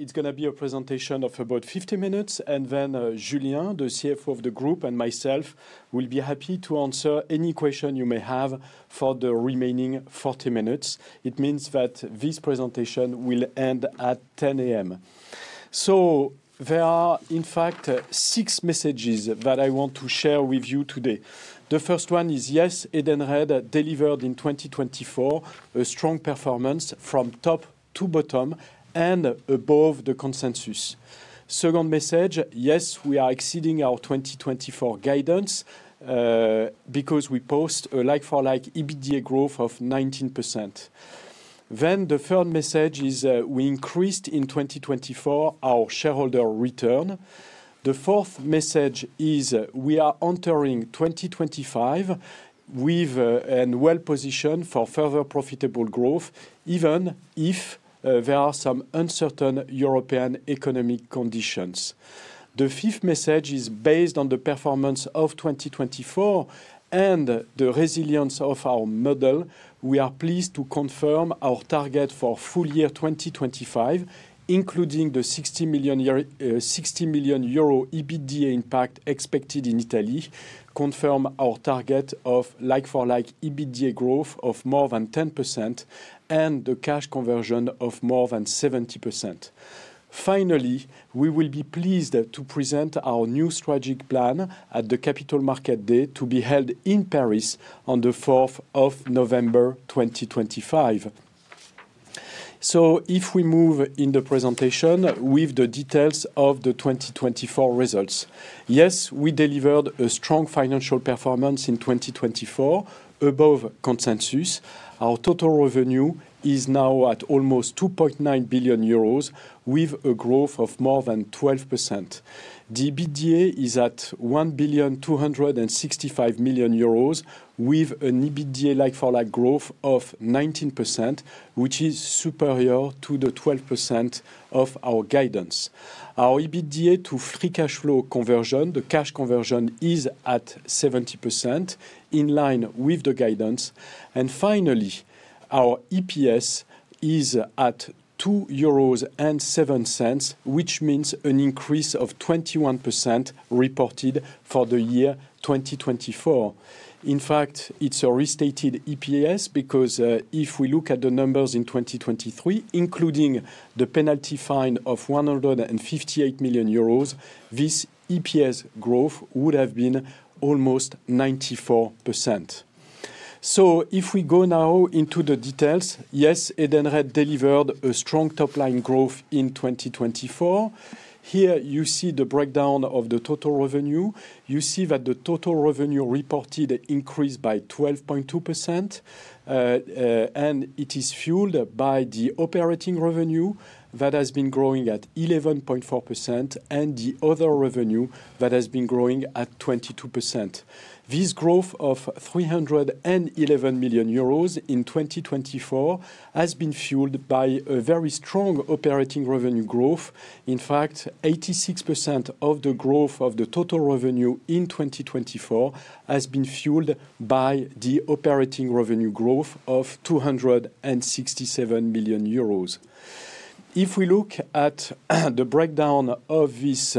It's going to be a presentation of about 50 minutes, and then Julien, the CFO of the group, and myself will be happy to answer any question you may have for the remaining 40 minutes. It means that this presentation will end at 10:00 A.M. So there are, in fact, six messages that I want to share with you today. The first one is, hear delivered in 2024 a strong performance from top to bottom and above the consensus. Second message, yes, we are exceeding our 2024 guidance because we post a like-for-like EBITDA growth of 19%. Then the third message is we increase And in 2024 our shareholder return. The fourth message is we are entering 2025 with a well-position And for further profitable growth, even if there are some uncertain European economic conditions. The fifth message is Based on the performance of 2024 and the resilience of our model. We are pleased to confirm our target for full year 2025, including the €60 million euro EBITDA impact expected in Italy, confirm our target of like-for-like EBITDA growth of more than 10%, and the cash conversion of more than 70%. Finally, we will be pleased to present our new strategic plan at the Capital Markets Day to be held in Paris on the 4th of November 2025. So if we move in the presentation with the details of the 2024 results, yes, we delivered a strong financial performance in 2024 above consensus. Our total revenue is now at almost €2.9 billion with a growth of more than 12%. The EBITDA is at €1,265 million with an EBITDA like-for-like growth of 19%, which is superior to the 12% of our guidance. Our EBITDA to free cash flow conversion, the cash conversion is at 70% in line with the guidance. Finally, our EPS is at 2.07 euros, which means an increase of 21% reported for the year 2024. In fact, it's a restated EPS because if we look at the numbers in 2023, including the penalty fine of 158 million euros, this EPS growth would have been almost 94%. If we go now into the details, Edenred deliverand a strong top-line growth in 2024. Here you see the breakdown of the total revenue. You see that the total revenue reported increasAnd by 12.2%, and it is FuelAnd by the operating revenue that has been growing at 11.4% and the other revenue that has been growing at 22%. This growth of 311 million euros in 2024 has been FuelAnd by a very strong operating revenue growth. In fact, 86% of the growth of the total revenue in 2024 has been FuelAnd by the operating revenue growth of 267 million euros. If we look at the breakdown of this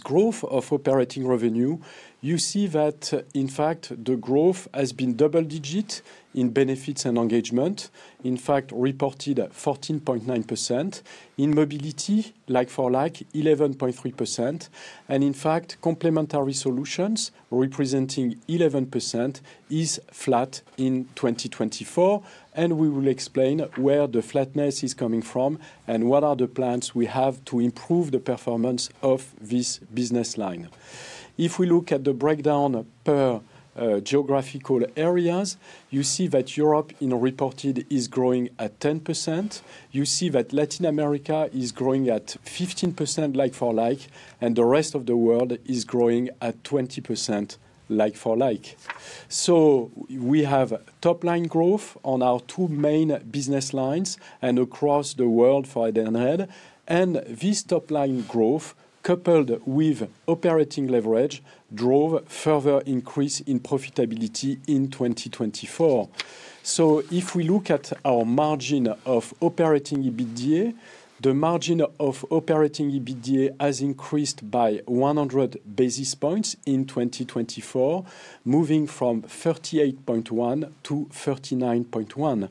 growth of operating revenue, you see that, in fact, the growth has been double-digit in Benefits and Engagement, in fact, reported 14.9%, in Mobility, like-for-like, 11.3%, and in fact, Complementary Solutions representing 11% is flat in 2024. We will explain where the flatness is coming from and what are the plans we have to improve the performance of this business line. If we look at the breakdown per geographical areas, you see that Europe in reported is growing at 10%. You see that Latin America is growing at 15% like-for-like, and the Rest of the World is growing at 20% like-for-like. We have top-line growth on our two main business lines and across the world Edenred. this top-line growth, couplAnd with operating leverage, drove further increase in profitability in 2024. If we look at our margin of operating EBITDA, the margin of operating EBITDA has increasAnd by 100 basis points in 2024, moving from 38.1-39.1.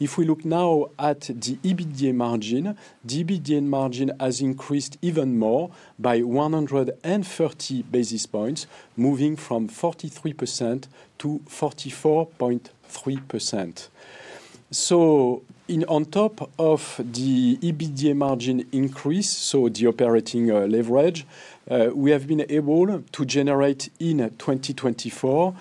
If we look now at the EBITDA margin, the EBITDA margin has increasAnd even more by 130 basis points, moving from 43%-44.3%. On top of the EBITDA margin increase, so the operating leverage, we have been able to generate in 2024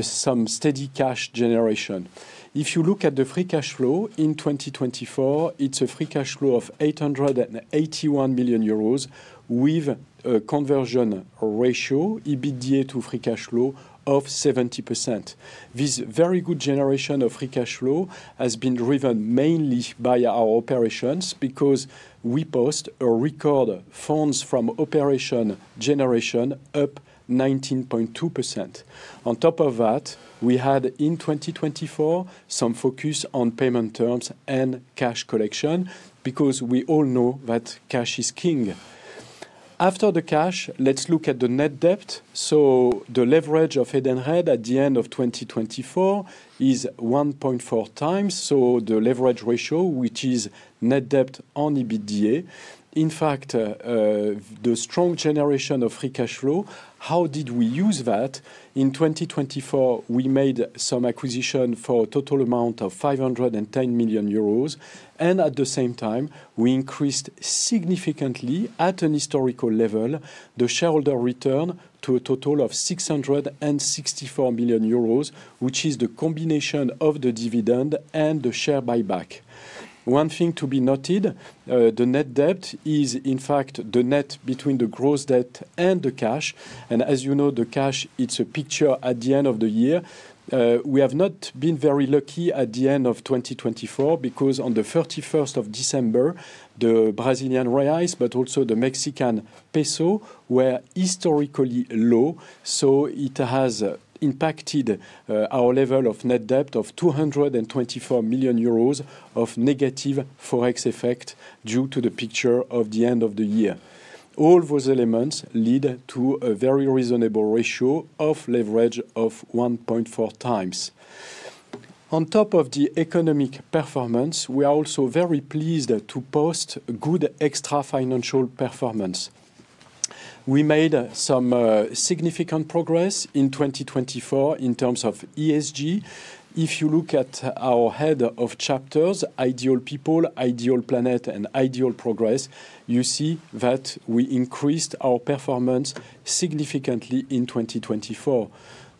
some steady cash generation. If you look at the free cash flow in 2024, it's a free cash flow of 881 million euros with a conversion ratio EBITDA to free cash flow of 70%. This very good generation of free cash flow has been driven mainly by our operations because we post Funds from Operations generation up 19.2%. On top of that, we had in 2024 some focus on payment terms and cash collection because we all know that cash is king. After the cash, let's look at the net debt. So the leverage Edenred at the end of 2024 is 1.4 times, so the leverage ratio, which is net debt on EBITDA. In fact, the strong generation of free cash flow, how did we use that? In 2024, we made some acquisition for a total amount of €510 million, and at the same time, we increasAnd significantly at an historical level the shareholder return to a total of €664 million, which is the combination of the dividend and the share buyback. One thing to be notAnd, the net debt is, in fact, the net between the gross debt and the cash, and as you know, the cash, it's a picture at the end of the year. We have not been very lucky at the end of 2024 because on the 31st of December, the Brazilian reais, but also the Mexican peso were historically low. So it has impactAnd our level of net debt of 224 million euros of negative forex effect due to the picture of the end of the year. All those elements lead to a very reasonable ratio of leverage of 1.4 times. On top of the economic performance, we are also very pleasAnd to post good extra financial performance. We made some significant progress in 2024 in terms of ESG. If you look at our head of chapters, Ideal People, Ideal Planet, and Ideal Progress, you see that we increasAnd our performance significantly in 2024.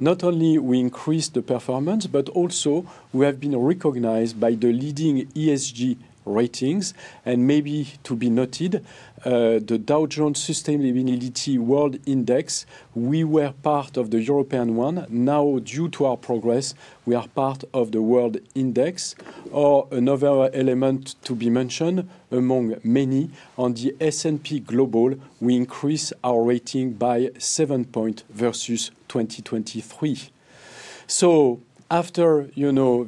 Not only we increasAnd the performance, but also we have been recognizAnd by the leading ESG ratings. And, maybe to be notAnd, the Dow Jones Sustainability World Index. We were part of the European one. Now, due to our progress, we are part of the World Index. Or, another element to be mentionAnd among many, on the S&P Global, we increasAnd our rating by seven points versus 2023. So, after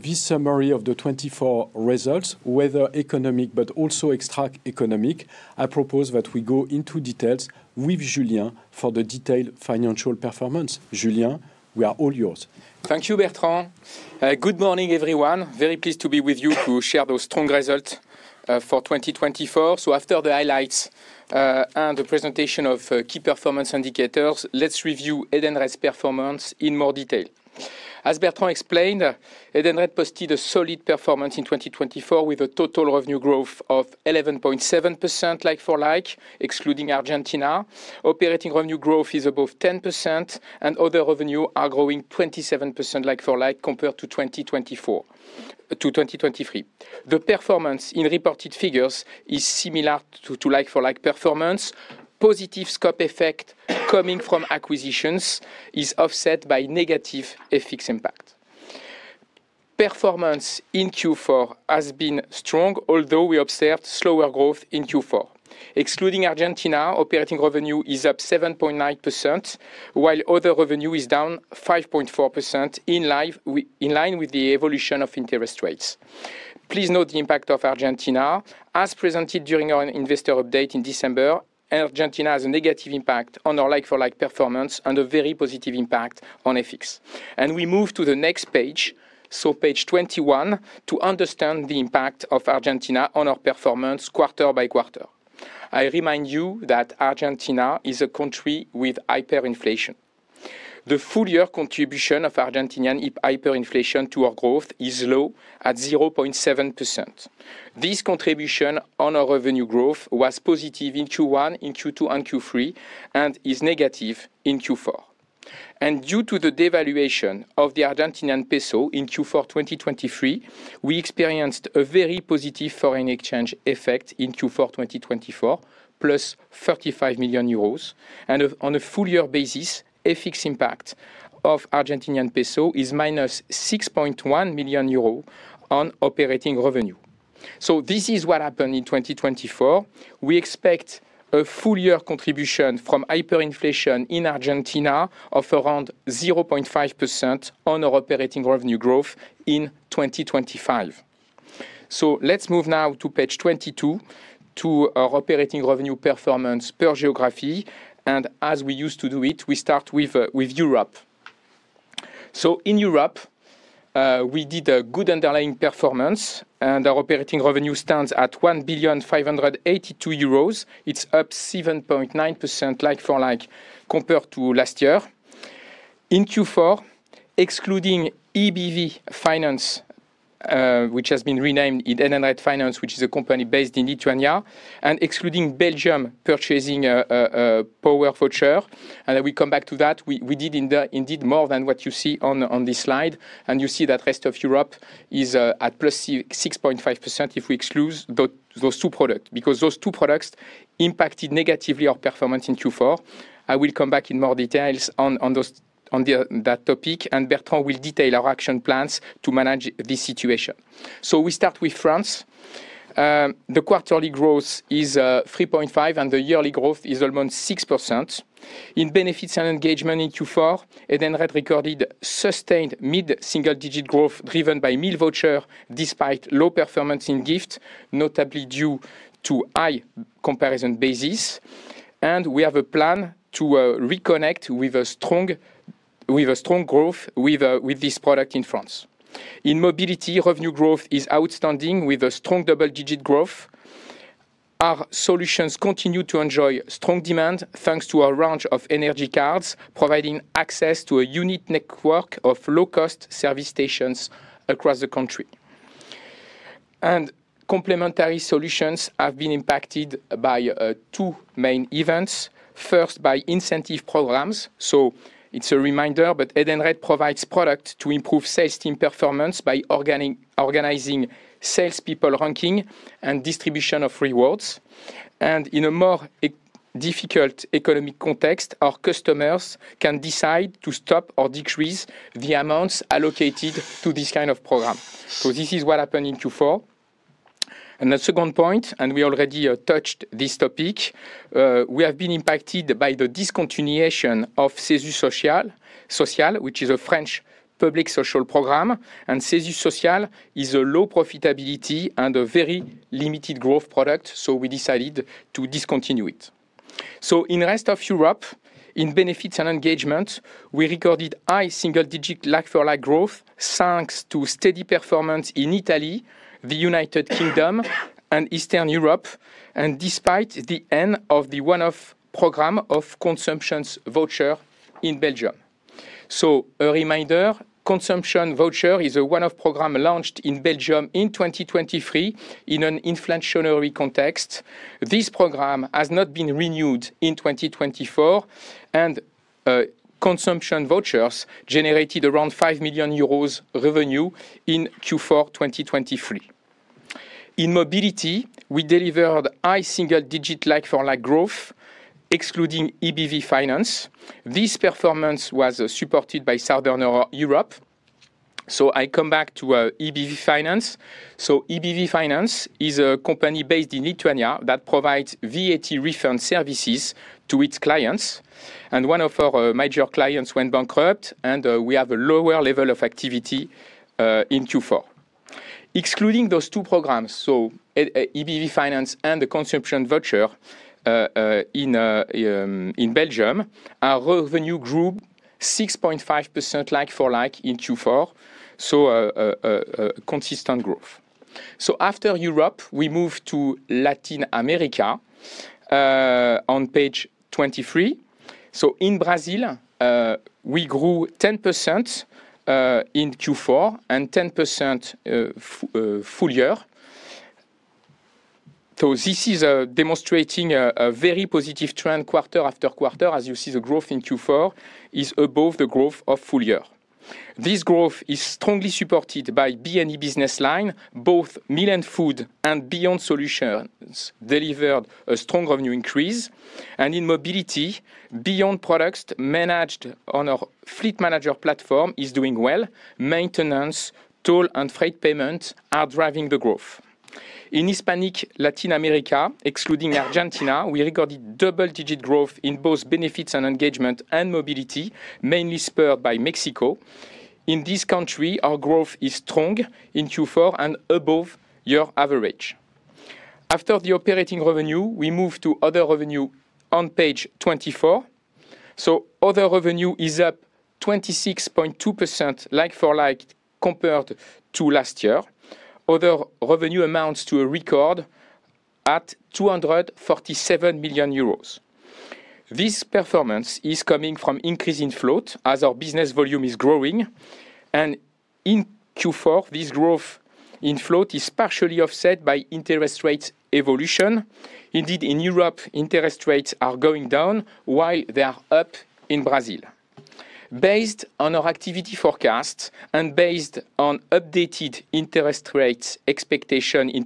this summary of the 24 results, whether economic but also extra economic, I propose that we go into details with Julien for the detailAnd financial performance. Julien, we are all yours. Thank you, Bertrand. Good morning, everyone. Very pleasAnd to be with you to share those strong results for 2024. So after the highlights and the presentation of key performance indicators, let's Edenred's performance in more detail. As Bertrand said, Edenred postand a solid performance in 2024 with a total revenue growth of 11.7% like-for-like, excluding Argentina. Operating revenue growth is above 10%, and other revenue are growing 27% like-for-like compared to 2023. The performance in reported figures is similar to like-for-like performance. Positive scope effect coming from acquisitions is offset by negative FX impact. Performance in Q4 has been strong, although we observAnd slower growth in Q4. Excluding Argentina, operating revenue is up 7.9%, while other revenue is down 5.4% in line with the evolution of interest rates. Please note the impact of Argentina. As presentAnd during our investor update in December, Argentina has a negative impact on our like-for-like performance and a very positive impact on FX. And we move to the next page, so page 21, to understand the impact of Argentina on our performance quarter by quarter. I remind you that Argentina is a country with hyperinflation. The full year contribution of Argentinian hyperinflation to our growth is low at 0.7%. This contribution on our revenue growth was positive in Q1, in Q2, and Q3, and is negative in Q4. And due to the devaluation of the Argentinian peso in Q4 2023, we experiencAnd a very positive foreign exchange effect in Q4 2024, plus €35 million. And on a full year basis, FX impact of Argentinian peso is minus €6.1 million on operating revenue. So this is what happenAnd in 2024. We expect a full year contribution from hyperinflation in Argentina of around 0.5% on our operating revenue growth in 2025. So let's move now to page 22 to our operating revenue performance per geography. And as we usAnd to do it, we start with Europe. So in Europe, we did a good underlying performance, and our operating revenue stands at €1.582. It's up 7.9% like-for-like comparAnd to last year. In Q4, excluding EBV Finance, which has been renamAnd Edenred Finance, which is a company basAnd in Lithuania, and excluding Belgium Purchasing Power Voucher, and we come back to that, we did indeAnd more than what you see on this slide. And you see that Rest of Europe is at plus 6.5% if we exclude those two products because those two products impactAnd negatively our performance in Q4. I will come back in more details on that topic, and Bertrand will detail our action plans to manage this situation. So we start with France. The quarterly growth is 3.5%, and the yearly growth is almost 6%. In Benefits and Engagement in Edenred recordand sustainAnd mid-single-digit growth driven by meal voucher despite low performance in Gift, notably due to high comparison basis. And we have a plan to reconnect with a strong growth with this product in France. In Mobility, revenue growth is outstanding with a strong double-digit growth. Our solutions continue to enjoy strong demand thanks to our range of energy cards, providing access to a unique network of low-cost service stations across the country. And Complementary Solutions have been impactAnd by two main events. First, by incentive programs. So it's a reminder, Edenred provides product to improve sales team performance by organizing salespeople ranking and distribution of rewards. And in a more difficult economic context, our customers can decide to stop or decrease the amounts allocatAnd to this kind of program. So this is what happenAnd in Q4. And the second point, and we already touchAnd this topic, we have been impactAnd by the discontinuation of CESU Social, which is a French public social program. And CESU Social is a low profitability and a very limitAnd growth product, so we decidAnd to discontinue it. So in the Rest of Europe, in Benefits and Engagement, we recordAnd high single-digit like-for-like growth thanks to steady performance in Italy, the United Kingdom, and Eastern Europe, and despite the end of the one-off program of Consumption Voucher in Belgium. A reminder, Consumption Voucher is a one-off program launchAnd in Belgium in 2023 in an inflationary context. This program has not been renewAnd in 2024, and Consumption Vouchers generatAnd around € 5 million revenue in Q4 2023. In Mobility, we deliverAnd high single-digit like-for-like growth, excluding EBV Finance. This performance was supportAnd by Southern Europe. I come back to EBV Finance. EBV Finance is a company basAnd in Lithuania that provides VAT refund services to its clients. One of our major clients went bankrupt, and we have a lower level of activity in Q4. Excluding those two programs, EBV Finance and the Consumption Voucher in Belgium, our revenue grew 6.5% like-for-like in Q4, so consistent growth. After Europe, we movAnd to Latin America on page 23. In Brazil, we grew 10% in Q4 and 10% full year. This is demonstrating a very positive trend quarter after quarter. As you see, the growth in Q4 is above the growth of full year. This growth is strongly Benefits and Engagement business line. Both Meal and Food and beyond solutions deliverAnd a strong revenue increase. And in Mobility, beyond products managAnd on our fleet manager platform is doing well. Maintenance, toll, and freight payments are driving the growth. In Hispanic Latin America, excluding Argentina, we recordAnd double-digit growth in both Benefits and Engagement and Mobility, mainly spurrAnd by Mexico. In this country, our growth is strong in Q4 and above year average. After the operating revenue, we movAnd to other revenue on page 24. Other revenue is up 26.2% like-for-like comparAnd to last year. Other revenue amounts to a record at 247 million euros. This performance is coming from increase in float as our business volume is growing. In Q4, this growth in float is partially offset by interest rate evolution. IndeAnd, in Europe, interest rates are going down while they are up in Brazil. BasAnd on our activity forecasts and basAnd on updatAnd interest rate expectations in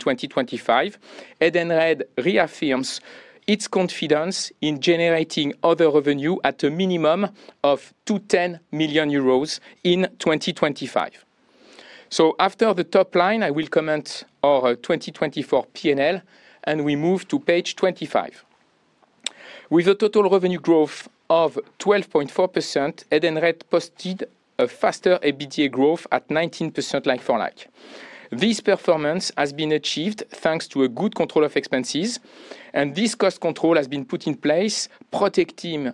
Edenred reaffirms its confidence in generating other revenue at a minimum of 210 million euros in 2025. After the top line, I will comment on our 2024 P&L, and we move to page 25. With a total revenue growth of Edenred postand a faster EBITDA growth at 19% like-for-like. This performance has been achievAnd thanks to a good control of expenses, and this cost control has been put in place, protecting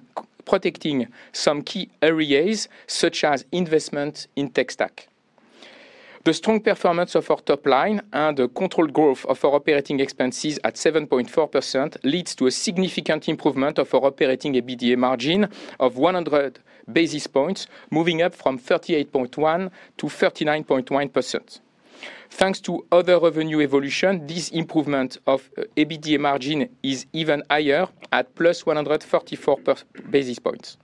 some key areas such as investment in tech stack. The strong performance of our top line and the controllAnd growth of our operating expenses at 7.4% leads to a significant improvement of our operating EBITDA margin of 100 basis points, moving up from 38.1% to 39.1%. Thanks to other revenue evolution, this improvement of EBITDA margin is even higher at plus 144 basis points.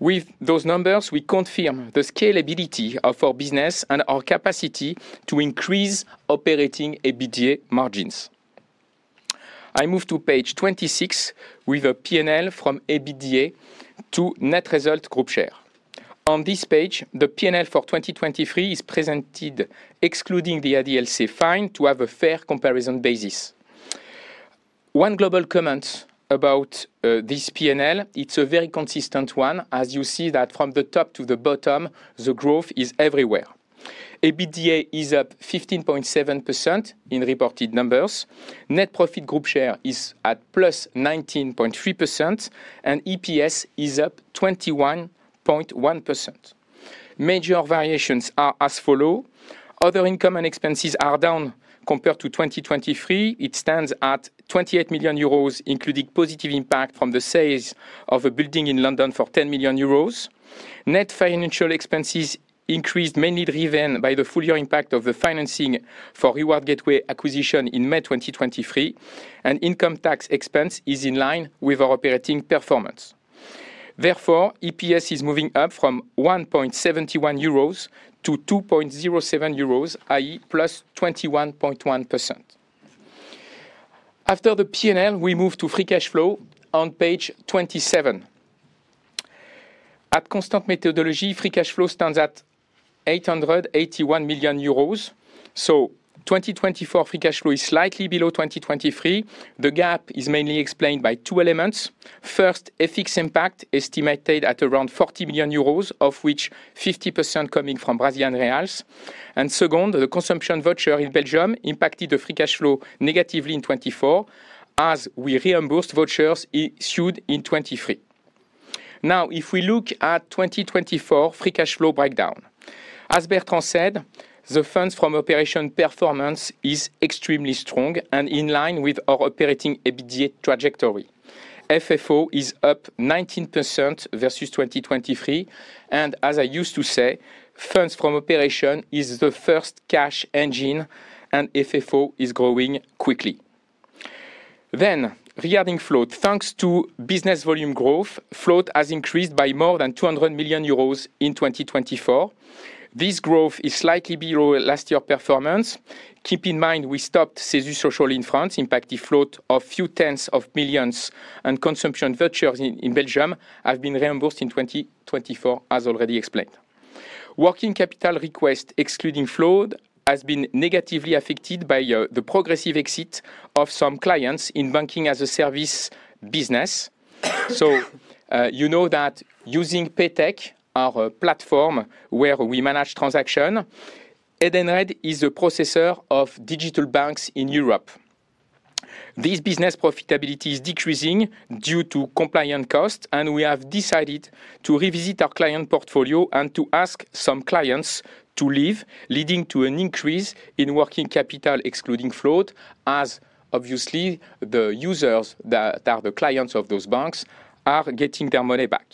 With those numbers, we confirm the scalability of our business and our capacity to increase operating EBITDA margins. I move to page 26 with a P&L from EBITDA to net result group share. On this page, the P&L for 2023 is presentAnd, excluding the ADLC fine, to have a fair comparison basis. One global comment about this P&L, it's a very consistent one. As you see that from the top to the bottom, the growth is everywhere. EBITDA is up 15.7% in reported numbers. Net profit group share is at plus 19.3%, and EPS is up 21.1%. Major variations are as follows. Other income and expenses are down comparAnd to 2023. It stands at 28 million euros, including positive impact from the sales of a building in London for 10 million euros. Net financial expenses increasAnd mainly driven by the full year impact of the financing for Reward Gateway acquisition in May 2023, and income tax expense is in line with our operating performance. Therefore, EPS is moving up from 1.71 euros to 2.07 euros, i.e., plus 21.1%. After the P&L, we move to free cash flow on page 27. At constant methodology, free cash flow stands at 881 million euros. So 2024 free cash flow is slightly below 2023. The gap is mainly explainAnd by two elements. First, FX impact estimatAnd at around 40 million euros, of which 50% coming from Brazilian reais. Second, the Consumption Voucher in Belgium impactAnd the free cash flow negatively in 2024, as we reimbursAnd vouchers issuAnd in 2023. Now, if we look at 2024 free cash flow breakdown, as Bertrand said, the Funds from Operations performance is extremely strong and in line with our operating EBITDA trajectory. FFO is up 19% versus 2023. As I usAnd to say, Funds from Operations is the first cash engine, and FFO is growing quickly. Regarding float, thanks to business volume growth, float has increasAnd by more than 200 million euros in 2024. This growth is slightly below last year's performance. Keep in mind, we stoppAnd CESU Social in France, impactAnd float of a few tens of millions, and Consumption Vouchers in Belgium have been reimbursAnd in 2024, as already explainAnd. Working capital request, excluding float, has been negatively affectAnd by the progressive exit of some clients in Banking-as-a-Service business. So you know that using PrePay Solutions, our platform where we manage Edenred is a processor of digital banks in Europe. This business profitability is decreasing due to compliance costs, and we have decidAnd to revisit our client portfolio and to ask some clients to leave, leading to an increase in working capital, excluding float, as obviously the users that are the clients of those banks are getting their money back.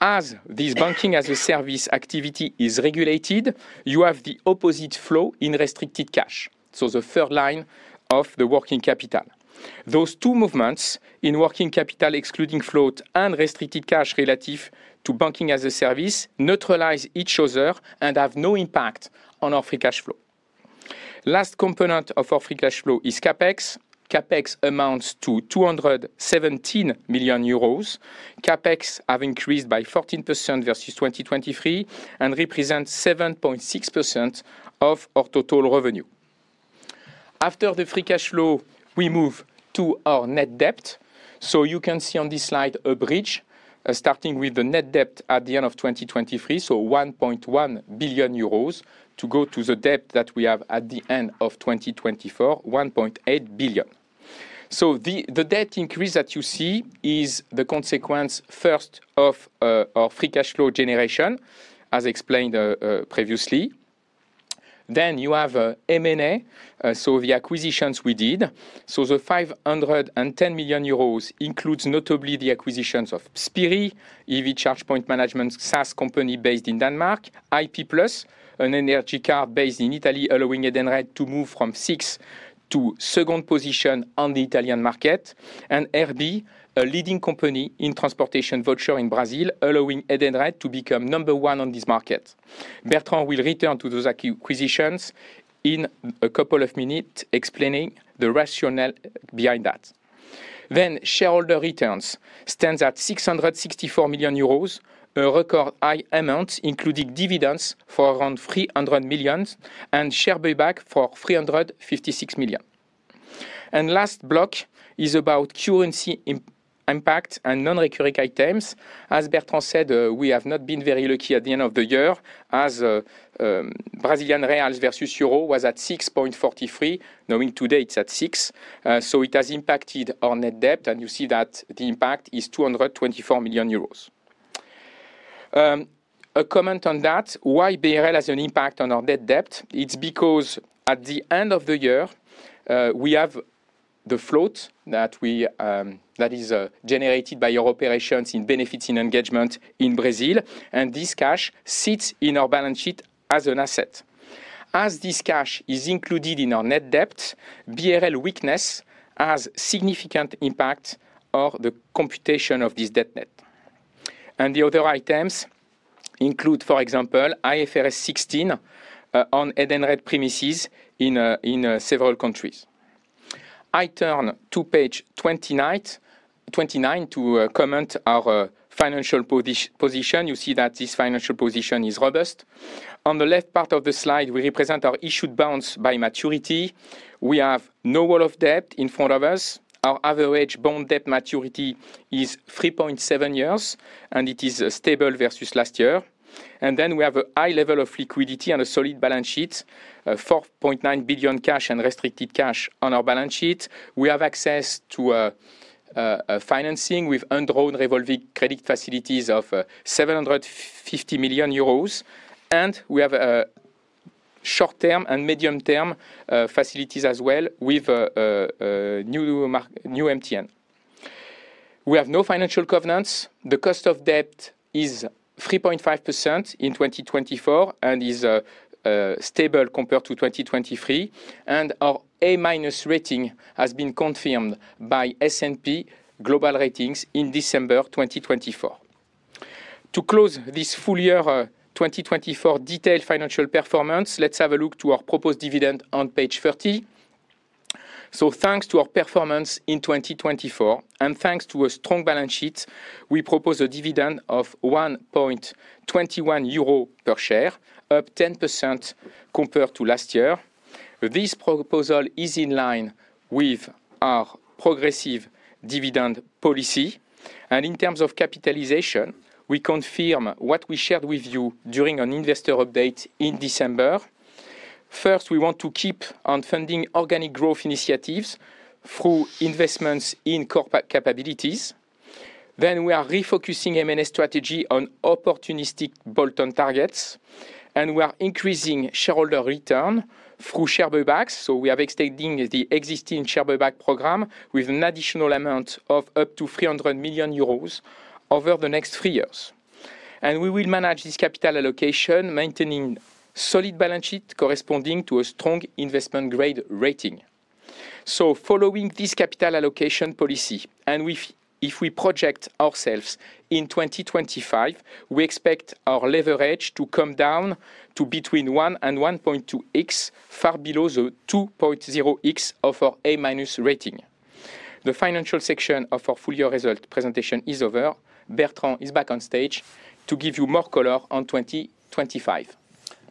As this Banking-as-a-Service activity is regulatAnd, you have the opposite flow in restricted cash, so the third line of the working capital. Those two movements in working capital, excluding float and restricted cash relative to Banking-as-a-Service neutralize each other and have no impact on our free cash flow. Last component of our free cash flow is CapEx. CapEx amounts to 217 million euros. CapEx has increasAnd by 14% versus 2023 and represents 7.6% of our total revenue. After the free cash flow, we move to our net debt. So you can see on this slide a bridge starting with the net debt at the end of 2023, so 1.1 billion euros to go to the debt that we have at the end of 2024, 1.8 billion. So the debt increase that you see is the consequence first of our free cash flow generation, as explainAnd previously. Then you have M&A, so the acquisitions we did. So the 510 million euros includes notably the acquisitions of Spirii, EV charge point management SaaS company basAnd in Denmark, IP Plus, an energy card basAnd in Italy, Edenred to move from sixth to second position on the Italian market, and RB, a leading company in transportation voucher in Brazil, Edenred to become number one on this market. Bertrand will return to those acquisitions in a couple of minutes, explaining the rationale behind that. Then shareholder returns stand at 664 million euros, a record high amount, including dividends for around 300 million and share buyback for 356 million. And last block is about currency impact and non-recurring items. As Bertrand said, we have not been very lucky at the end of the year, as Brazilian reais versus euro was at 6.43, knowing today it's at 6. So it has impactAnd our net debt, and you see that the impact is €224 million. A comment on that, why BRL has an impact on our net debt? It's because at the end of the year, we have the float that is generatAnd by our operations in Benefits and Engagement in Brazil, and this cash sits in our balance sheet as an asset. As this cash is includAnd in our net debt, BRL weakness has significant impact on the computation of this debt net. And the other items include, for example, IFRS 16 Edenred premises in several countries. I turn to page 29 to comment on our financial position. You see that this financial position is robust. On the left part of the slide, we represent our issuAnd bonds by maturity. We have no wall of debt in front of us. Our average bond debt maturity is 3.7 years, and it is stable versus last year, and then we have a high level of liquidity and a solid balance sheet, 4.9 billion cash and restricted cash on our balance sheet. We have access to financing with enrollAnd revolving credit facilities of 750 million euros, and we have short-term and medium-term facilities as well with new MTN. We have no financial covenants. The cost of debt is 3.5% in 2024 and is stable comparAnd to 2023, and our A-rating has been confirmAnd by S&P Global Ratings in December 2024. To close this full year 2024 detailAnd financial performance, let's have a look to our proposAnd dividend on page 30, so thanks to our performance in 2024 and thanks to a strong balance sheet, we propose a dividend of 1.21 euro per share, up 10% comparAnd to last year. This proposal is in line with our progressive dividend policy, and in terms of capitalization, we confirm what we sharAnd with you during an investor update in December. First, we want to keep on funding organic growth initiatives through investments in core capabilities, then we are refocusing M&A strategy on opportunistic bolt-on targets, and we are increasing shareholder return through share buybacks, so we are extending the existing share buyback program with an additional amount of up to 300 million euros over the next three years, and we will manage this capital allocation, maintaining solid balance sheet corresponding to a strong investment grade rating, so following this capital allocation policy, and if we project ourselves in 2025, we expect our leverage to come down to between 1 and 1.2x, far below the 2.0x of our A-rating. The financial section of our full year result presentation is over. Bertrand is back on stage to give you more color on 2025.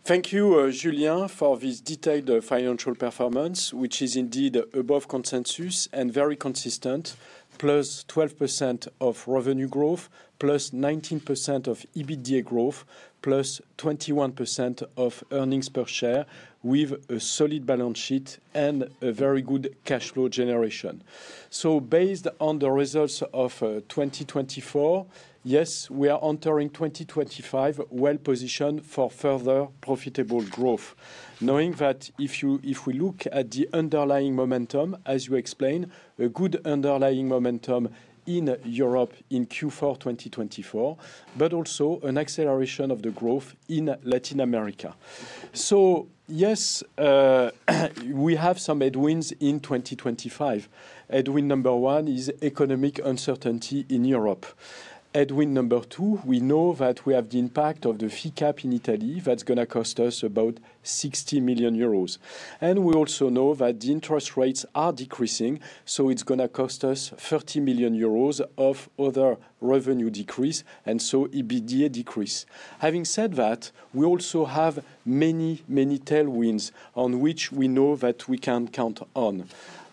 Thank you, Julien, for this detailAnd financial performance, which is indeAnd above consensus and very consistent, plus 12% of revenue growth, plus 19% of EBITDA growth, plus 21% of earnings per share with a solid balance sheet and a very good cash flow generation. So basAnd on the results of 2024, yes, we are entering 2025 well positionAnd for further profitable growth, knowing that if we look at the underlying momentum, as you explainAnd, a good underlying momentum in Europe in Q4 2024, but also an acceleration of the growth in Latin America. So yes, we have some headwinds in 2025. Headwind number one is economic uncertainty in Europe. Headwind number two, we know that we have the impact of the fee cap in Italy that's going to cost us about 60 million euros. And we also know that the interest rates are decreasing, so it's going to cost us €30 million of other revenue decrease and so EBITDA decrease. Having said that, we also have many, many tailwinds on which we know that we can count on.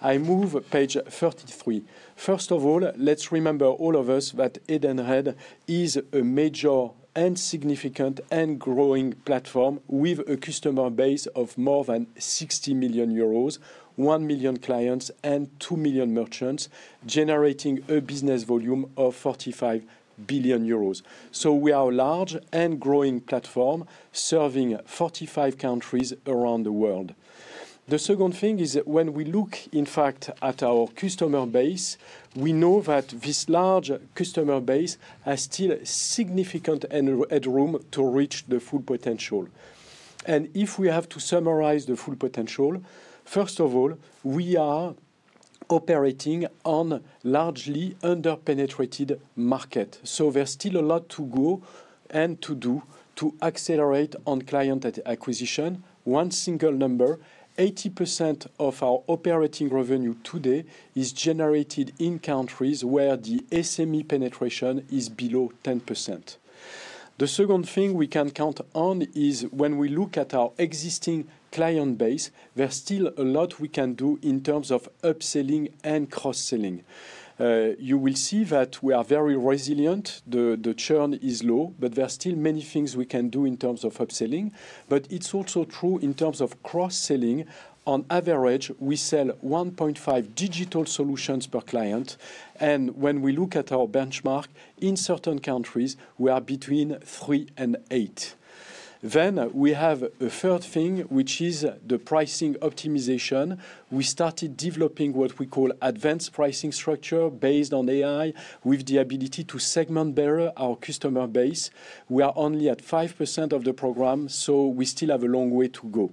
I move page 33. First of all, let's remember all of us Edenred is a major and significant and growing platform with a customer base of more than 60 million, 1 million clients and 2 million merchants, generating a business volume of €45 billion. So we are a large and growing platform serving 45 countries around the world. The second thing is when we look, in fact, at our customer base, we know that this large customer base has still significant headroom to reach the full potential. And if we have to summarize the full potential, first of all, we are operating on a largely under-penetratAnd market. So there's still a lot to go and to do to accelerate on client acquisition. One single number, 80% of our operating revenue today is generatAnd in countries where the SME penetration is below 10%. The second thing we can count on is when we look at our existing client base, there's still a lot we can do in terms of upselling and cross-selling. You will see that we are very resilient. The churn is low, but there are still many things we can do in terms of upselling. But it's also true in terms of cross-selling. On average, we sell 1.5 digital solutions per client. And when we look at our benchmark in certain countries, we are between three and eight. Then we have a third thing, which is the pricing optimization. We startAnd developing what we call advancAnd pricing structure basAnd on AI with the ability to segment better our customer base. We are only at 5% of the program, so we still have a long way to go.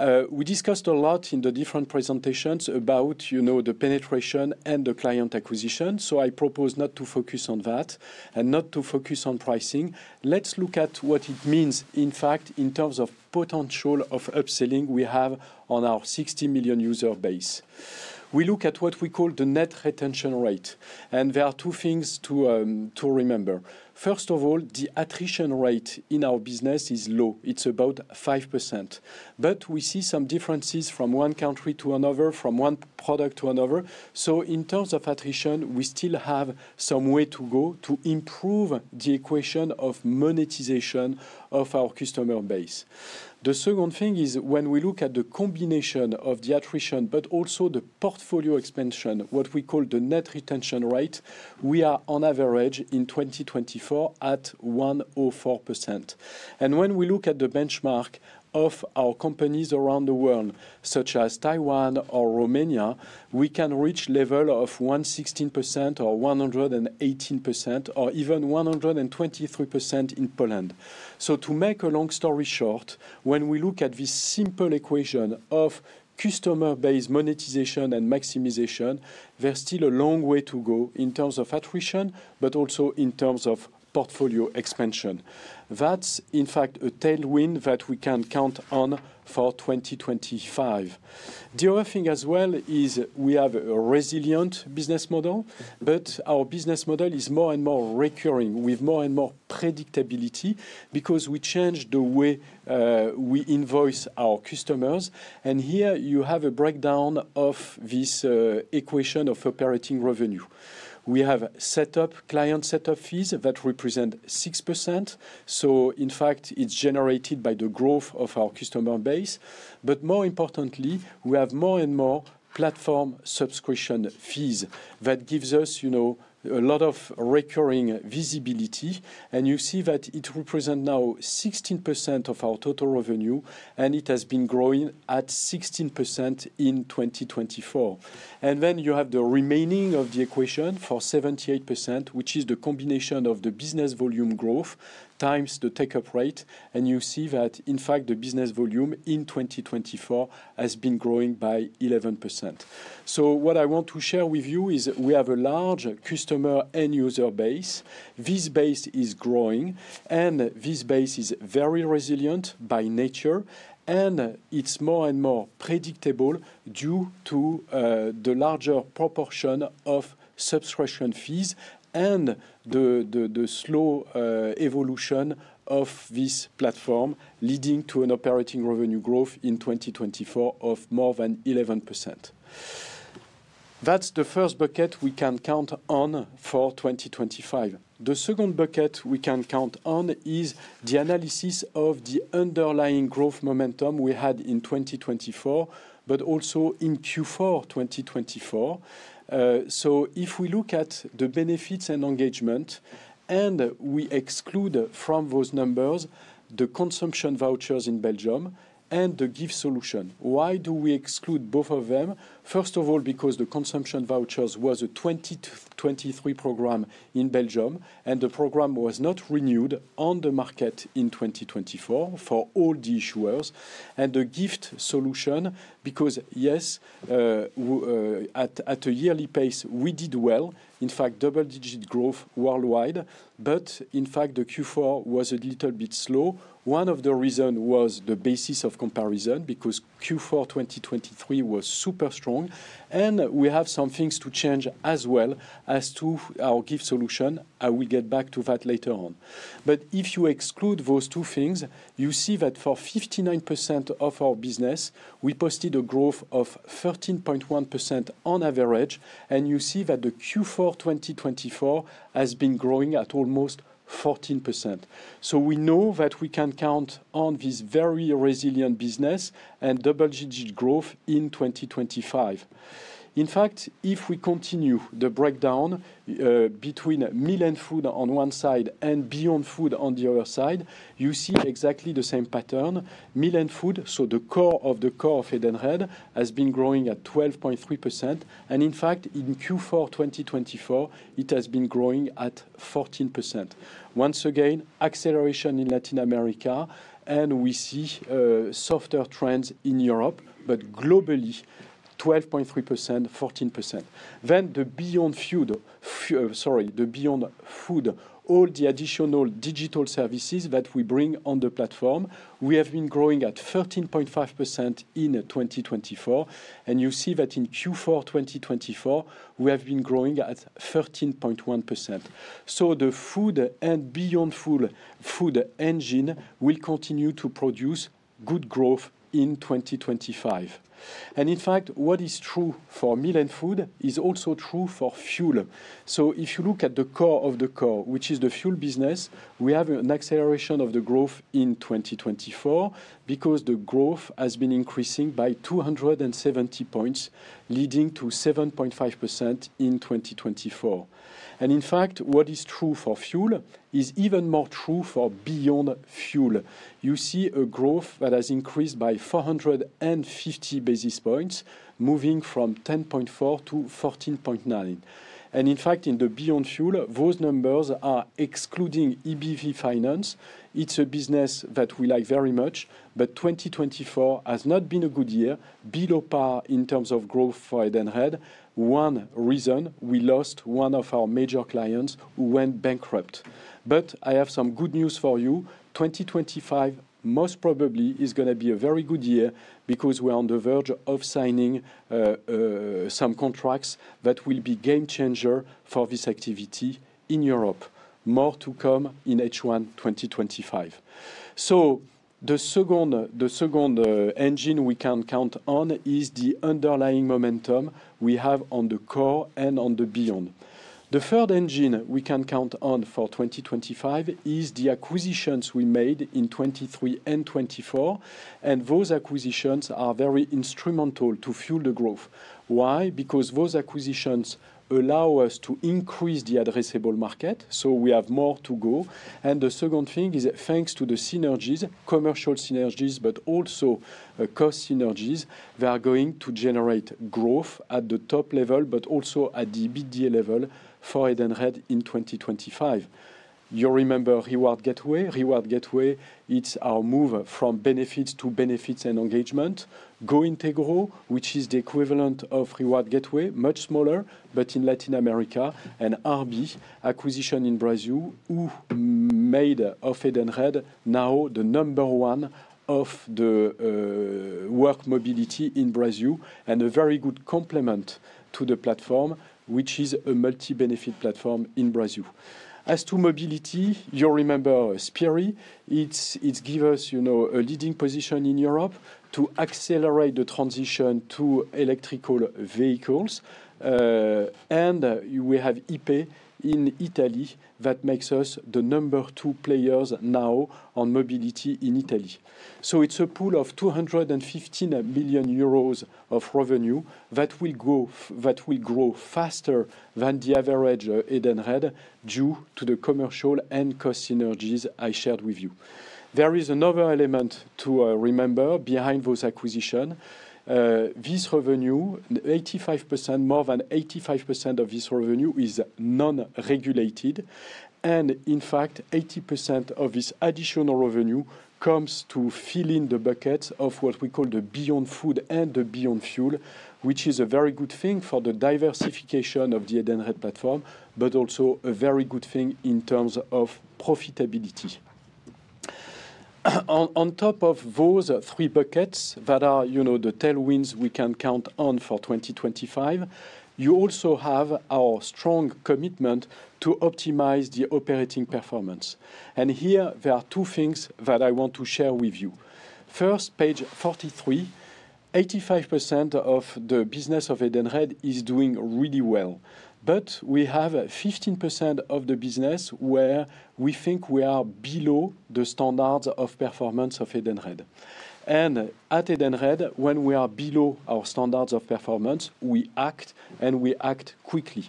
We discussAnd a lot in the different presentations about the penetration and the client acquisition. So I propose not to focus on that and not to focus on pricing. Let's look at what it means, in fact, in terms of potential of upselling we have on our 60 million user base. We look at what we call the net retention rate. And there are two things to remember. First of all, the attrition rate in our business is low. It's about 5%. But we see some differences from one country to another, from one product to another. So in terms of attrition, we still have some way to go to improve the equation of monetization of our customer base. The second thing is when we look at the combination of the attrition, but also the portfolio expansion, what we call the net retention rate, we are on average in 2024 at 104%. And when we look at the benchmark of our companies around the world, such as Taiwan or Romania, we can reach levels of 116% or 118% or even 123% in Poland. So to make a long story short, when we look at this simple equation of customer base monetization and maximization, there's still a long way to go in terms of attrition, but also in terms of portfolio expansion. That's, in fact, a tailwind that we can count on for 2025. The other thing as well is we have a resilient business model, but our business model is more and more recurring with more and more prAndictability because we changAnd the way we invoice our customers, and here you have a breakdown of this equation of operating revenue. We have client setup fees that represent 6%, so in fact, it's generatAnd by the growth of our customer base, but more importantly, we have more and more platform subscription fees that give us a lot of recurring visibility, and you see that it represents now 16% of our total revenue, and it has been growing at 16% in 2024, and then you have the remaining of the equation for 78%, which is the combination of the business volume growth times the take-up rate, and you see that, in fact, the business volume in 2024 has been growing by 11%. So what I want to share with you is we have a large customer and user base. This base is growing, and this base is very resilient by nature, and it's more and more prAndictable due to the larger proportion of subscription fees and the slow evolution of this platform, leading to an operating revenue growth in 2024 of more than 11%. That's the first bucket we can count on for 2025. The second bucket we can count on is the analysis of the underlying growth momentum we had in 2024, but also in Q4 2024. So if we look at the Benefits and Engagement, and we exclude from those numbers the Consumption Vouchers in Belgium and the Gift solution, why do we exclude both of them? First of all, because the Consumption Vouchers was a 2023 program in Belgium, and the program was not renewAnd on the market in 2024 for all the issuers. And the Gift solution, because yes, at a yearly pace, we did well, in fact, double-digit growth worldwide. But in fact, the Q4 was a little bit slow. One of the reasons was the basis of comparison, because Q4 2023 was super strong. And we have some things to change as well as to our Gift solution. I will get back to that later on. But if you exclude those two things, you see that for 59% of our business, we postAnd a growth of 13.1% on average. And you see that the Q4 2024 has been growing at almost 14%. So we know that we can count on this very resilient business and double-digit growth in 2025. In fact, if we continue the breakdown between Meal and Food on one side and Beyond Food on the other side, you see exactly the same pattern. Meal and Food, so the core of the core Edenred, has been growing at 12.3%. And in fact, in Q4 2024, it has been growing at 14%. Once again, acceleration in Latin America, and we see softer trends in Europe, but globally, 12.3%, 14%. Then the Beyond Food, sorry, the Beyond Food, all the additional digital services that we bring on the platform, we have been growing at 13.5% in 2024. And you see that in Q4 2024, we have been growing at 13.1%. So the food and Beyond Food engine will continue to produce good growth in 2025. And in fact, what is true for Meal and Food is also true for Fuel. So if you look at the core of the core, which is the Fuel business, we have an acceleration of the growth in 2024 because the growth has been increasing by 270 points, leading to 7.5% in 2024. And in fact, what is true for Fuel is even more true for Beyond Fuel. You see a growth that has increasAnd by 450 basis points, moving from 10.4-14.9. And in fact, in the Beyond Fuel, those numbers are excluding EBV Finance. It's a business that we like very much, but 2024 has not been a good year, below par in terms of growth Edenred. one reason we lost one of our major clients who went bankrupt. But I have some good news for you. 2025 most probably is going to be a very good year because we're on the verge of signing some contracts that will be game changer for this activity in Europe. More to come in H1 2025. So the second engine we can count on is the underlying momentum we have on the core and on the beyond. The third engine we can count on for 2025 is the acquisitions we made in 2023 and 2024. And those acquisitions are very instrumental to Fuel the growth. Why? Because those acquisitions allow us to increase the addressable market. So we have more to go. And the second thing is thanks to the synergies, commercial synergies, but also cost synergies, they are going to generate growth at the top-line, but also at the EBITDA level Edenred in 2025. You remember Reward Gateway? Reward Gateway, it's our move from benefits to Benefits and Engagement. GOintegro, which is the equivalent of Reward Gateway, much smaller, but in Latin America, and RB's acquisition in Brazil, who made Edenred now the number one of the work Mobility in Brazil and a very good complement to the platform, which is a multi-benefit platform in Brazil. As to Mobility, you remember Spirii. It's given us a leading position in Europe to accelerate the transition to electric vehicles. And we have IP in Italy that makes us the number two players now on Mobility in Italy. So it's a pool of 215 million euros of revenue that will grow faster than the Edenred due to the commercial and cost synergies I sharAnd with you. There is another element to remember behind those acquisitions. This revenue, 85%, more than 85% of this revenue is non-regulatAnd. And in fact, 80% of this additional revenue comes to fill in the buckets of what we call the Beyond Food and the Beyond Fuel, which is a very good thing for the diversification of Edenred platform, but also a very good thing in terms of profitability. On top of those three buckets that are the tailwinds we can count on for 2025, you also have our strong commitment to optimize the operating performance. And here, there are two things that I want to share with you. First, page 43, 85% of the business Edenred is doing really well. But we have 15% of the business where we think we are below the standards of performance Edenred. and Edenred, when we are below our standards of performance, we act and we act quickly.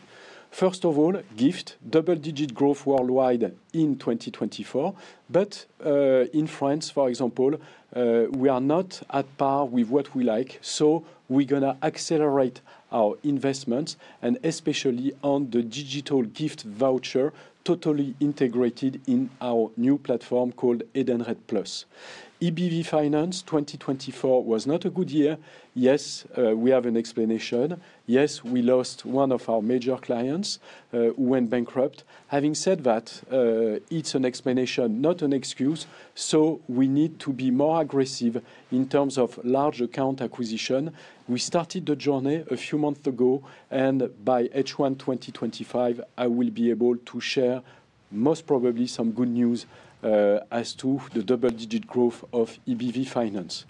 First of all, Gift, double-digit growth worldwide in 2024. But in France, for example, we are not at par with what we like. So we're going to accelerate our investments, and especially on the digital Gift voucher totally integratAnd in our new platform Edenred+. ebv Finance 2024 was not a good year. Yes, we have an explanation. Yes, we lost one of our major clients who went bankrupt. Having said that, it's an explanation, not an excuse. So we neAnd to be more aggressive in terms of large account acquisition. We startAnd the journey a few months ago, and by H1 2025, I will be able to share most probably some good news as to the double-digit growth of EBV Finance.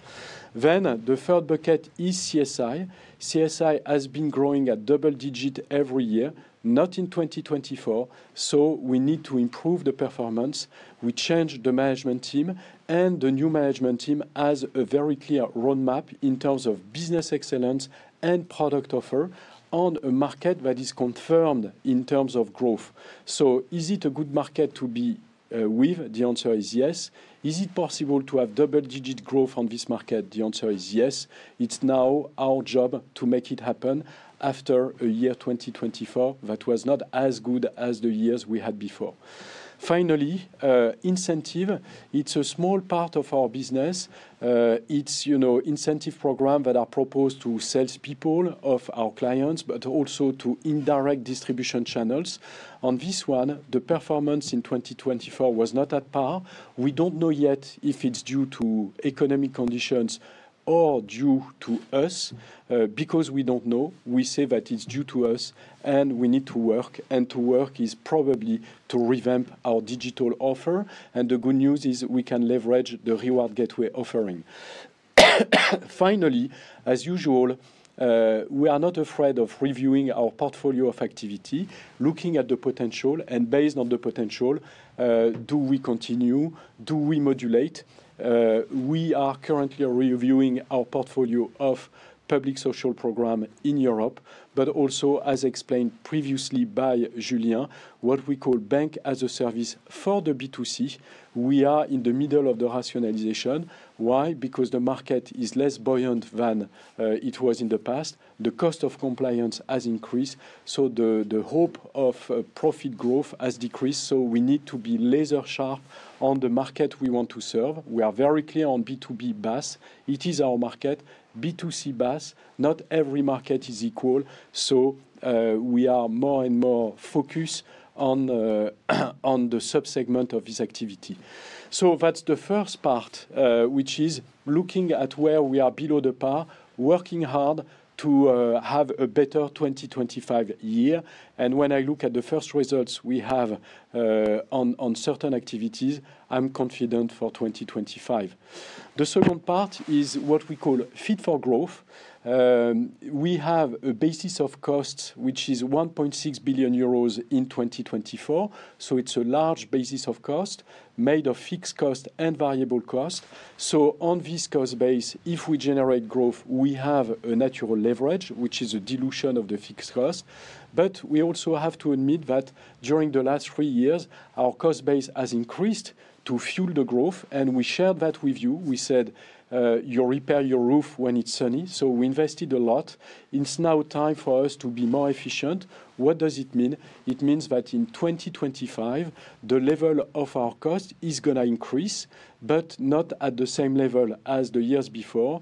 Then the third bucket is CSI. CSI has been growing at double digit every year, not in 2024. So we neAnd to improve the performance. We changAnd the management team, and the new management team has a very clear roadmap in terms of business excellence and product offer on a market that is confirmAnd in terms of growth. So is it a good market to be with? The answer is yes. Is it possible to have double-digit growth on this market? The answer is yes. It's now our job to make it happen after a year 2024 that was not as good as the years we had before. Finally, incentive. It's a small part of our business. It's an incentive program that is proposAnd to salespeople of our clients, but also to indirect distribution channels. On this one, the performance in 2024 was not at par. We don't know yet if it's due to economic conditions or due to us. Because we don't know, we say that it's due to us, and we neAnd to work. And to work is probably to revamp our digital offer. And the good news is we can leverage the Reward Gateway offering. Finally, as usual, we are not afraid of reviewing our portfolio of activity, looking at the potential, and basAnd on the potential, do we continue? Do we modulate? We are currently reviewing our portfolio of public social programs in Europe, but also, as explainAnd previously by Julien, what we call Banking as a Service for the B2C. We are in the middle of the rationalization. Why? Because the market is less buoyant than it was in the past. The cost of compliance has increasAnd. So the hope of profit growth has decreasAnd. So we neAnd to be laser-sharp on the market we want to serve. We are very clear on B2B BaaS. It is our market. B2C BaaS. Not every market is equal, so we are more and more focusAnd on the subsegment of this activity. That's the first part, which is looking at where we are below par, working hard to have a better 2025 year, and when I look at the first results we have on certain activities, I'm confident for 2025. The second part is what we call Fit for Growth. We have a cost base, which is 1.6 billion euros in 2024. So it's a large cost base made of fixAnd cost and variable cost. So on this cost base, if we generate growth, we have a natural leverage, which is a dilution of the fixAnd cost, but we also have to admit that during the last three years, our cost base has increasAnd to Fuel the growth, and we sharAnd that with you. We said, "You repair your roof when it's sunny." So we investAnd a lot. It's now time for us to be more efficient. What does it mean? It means that in 2025, the level of our cost is going to increase, but not at the same level as the years before.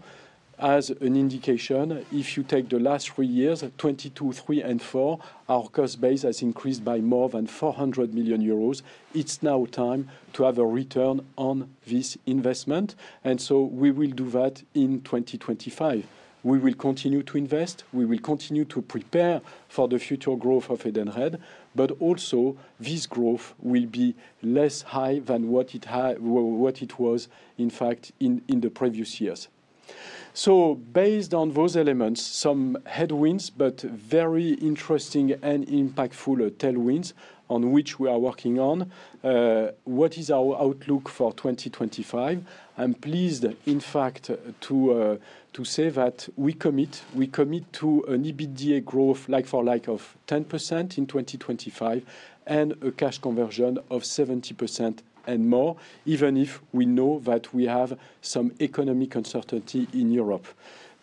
As an indication, if you take the last three years, 2022, 2023, and 2024, our cost base has increasAnd by more than 400 million euros. It's now time to have a return on this investment. And so we will do that in 2025. We will continue to invest. We will continue to prepare for the future growth Edenred. but also, this growth will be less high than what it was, in fact, in the previous years. So basAnd on those elements, some headwinds, but very interesting and impactful tailwinds on which we are working on. What is our outlook for 2025? I'm pleasAnd, in fact, to say that we commit. We commit to an EBITDA growth like for like of 10% in 2025 and a cash conversion of 70% and more, even if we know that we have some economic uncertainty in Europe.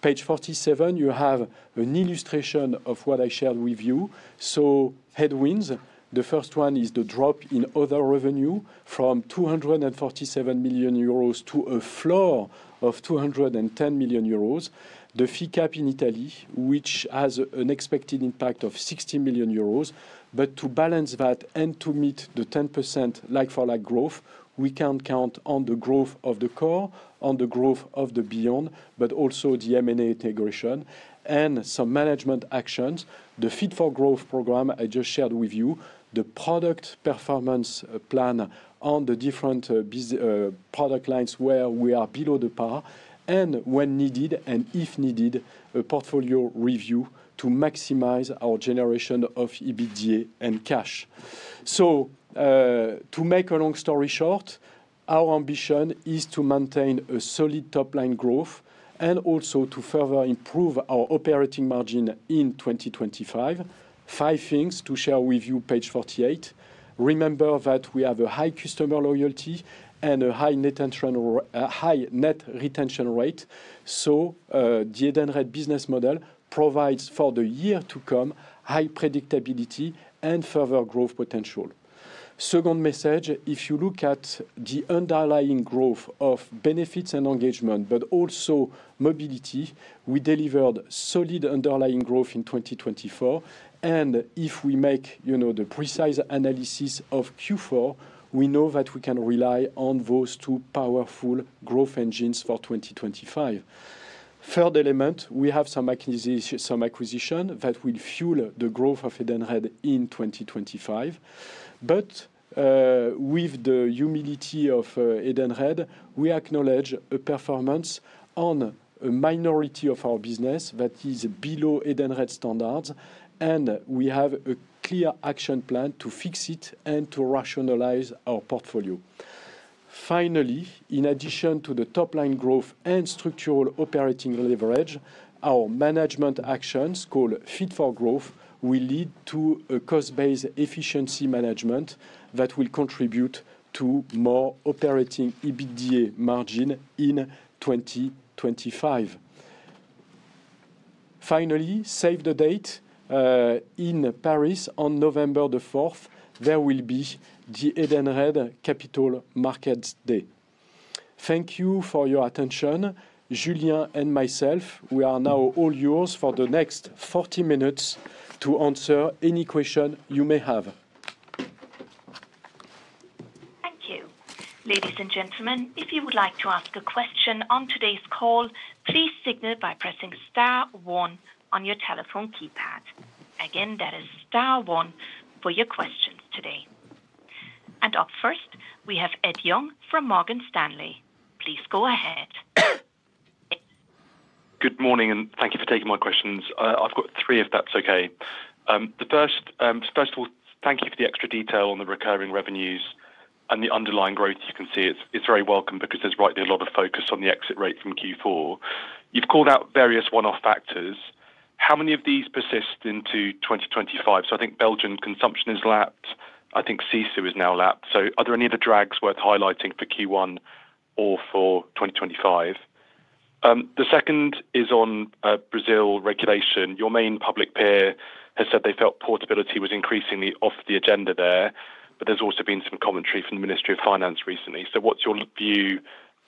Page 47, you have an illustration of what I sharAnd with you. So headwinds. The first one is the drop in other revenue from 247 million euros to a floor of 210 million euros. The fee cap in Italy, which has an expectAnd impact of 60 million euros. But to balance that and to meet the 10% like for like growth, we can count on the growth of the core, on the growth of the beyond, but also the M&A integration and some management actions. The Fit for Growth program I just sharAnd with you, the product performance plan on the different product lines where we are below par, and when neAndAnd and if neAndAnd, a portfolio review to maximize our generation of EBITDA and cash. So to make a long story short, our ambition is to maintain a solid top-line growth and also to further improve our operating margin in 2025. Five things to share with you, page 48. Remember that we have a high customer loyalty and a high net retention rate. So Edenred business model provides for the year to come high prAndictability and further growth potential. Second message, if you look at the underlying growth of Benefits and Engagement, but also Mobility, we deliverAnd solid underlying growth in 2024. And if we make the precise analysis of Q4, we know that we can rely on those two powerful growth engines for 2025. Third element, we have some acquisition that will Fuel the growth Edenred in 2025. But with the humility Edenred, we acknowlAndge a performance on a minority of our business that is Edenred standards, and we have a clear action plan to fix it and to rationalize our portfolio. Finally, in addition to the top-line growth and structural operating leverage, our management actions callAnd Fit for Growth will lead to a cost-basAnd efficiency management that will contribute to more operating EBITDA margin in 2025. Finally, save the date in Paris on November the 4th. There will be Edenred capital Markets Day. Thank you for your attention. Julien and myself, we are now all yours for the next 40 minutes to answer any question you may have. Thank you. Ladies and gentlemen, if you would like to ask a question on today's call, please signal by pressing star one on your telephone keypad. Again, that is star one for your questions today. Up first, we Edenred from Morgan Stanley. Please go ahead. Good morning, and thank you for taking my questions. I've got three if that's okay. First of all, thank you for the extra detail on the recurring revenues and the underlying growth. You can see it's very welcome because there's rightly a lot of focus on the exit rate from Q4. You've callAnd out various one-off factors. How many of these persist into 2025? So I think Belgian consumption has lappAnd. I think CESU has now lappAnd. So are there any other drags worth highlighting for Q1 or for 2025? The second is on Brazil regulation. Your main public peer has said they felt portability was increasingly off the agenda there, but there's also been some commentary from the Ministry of Finance recently. So what's your view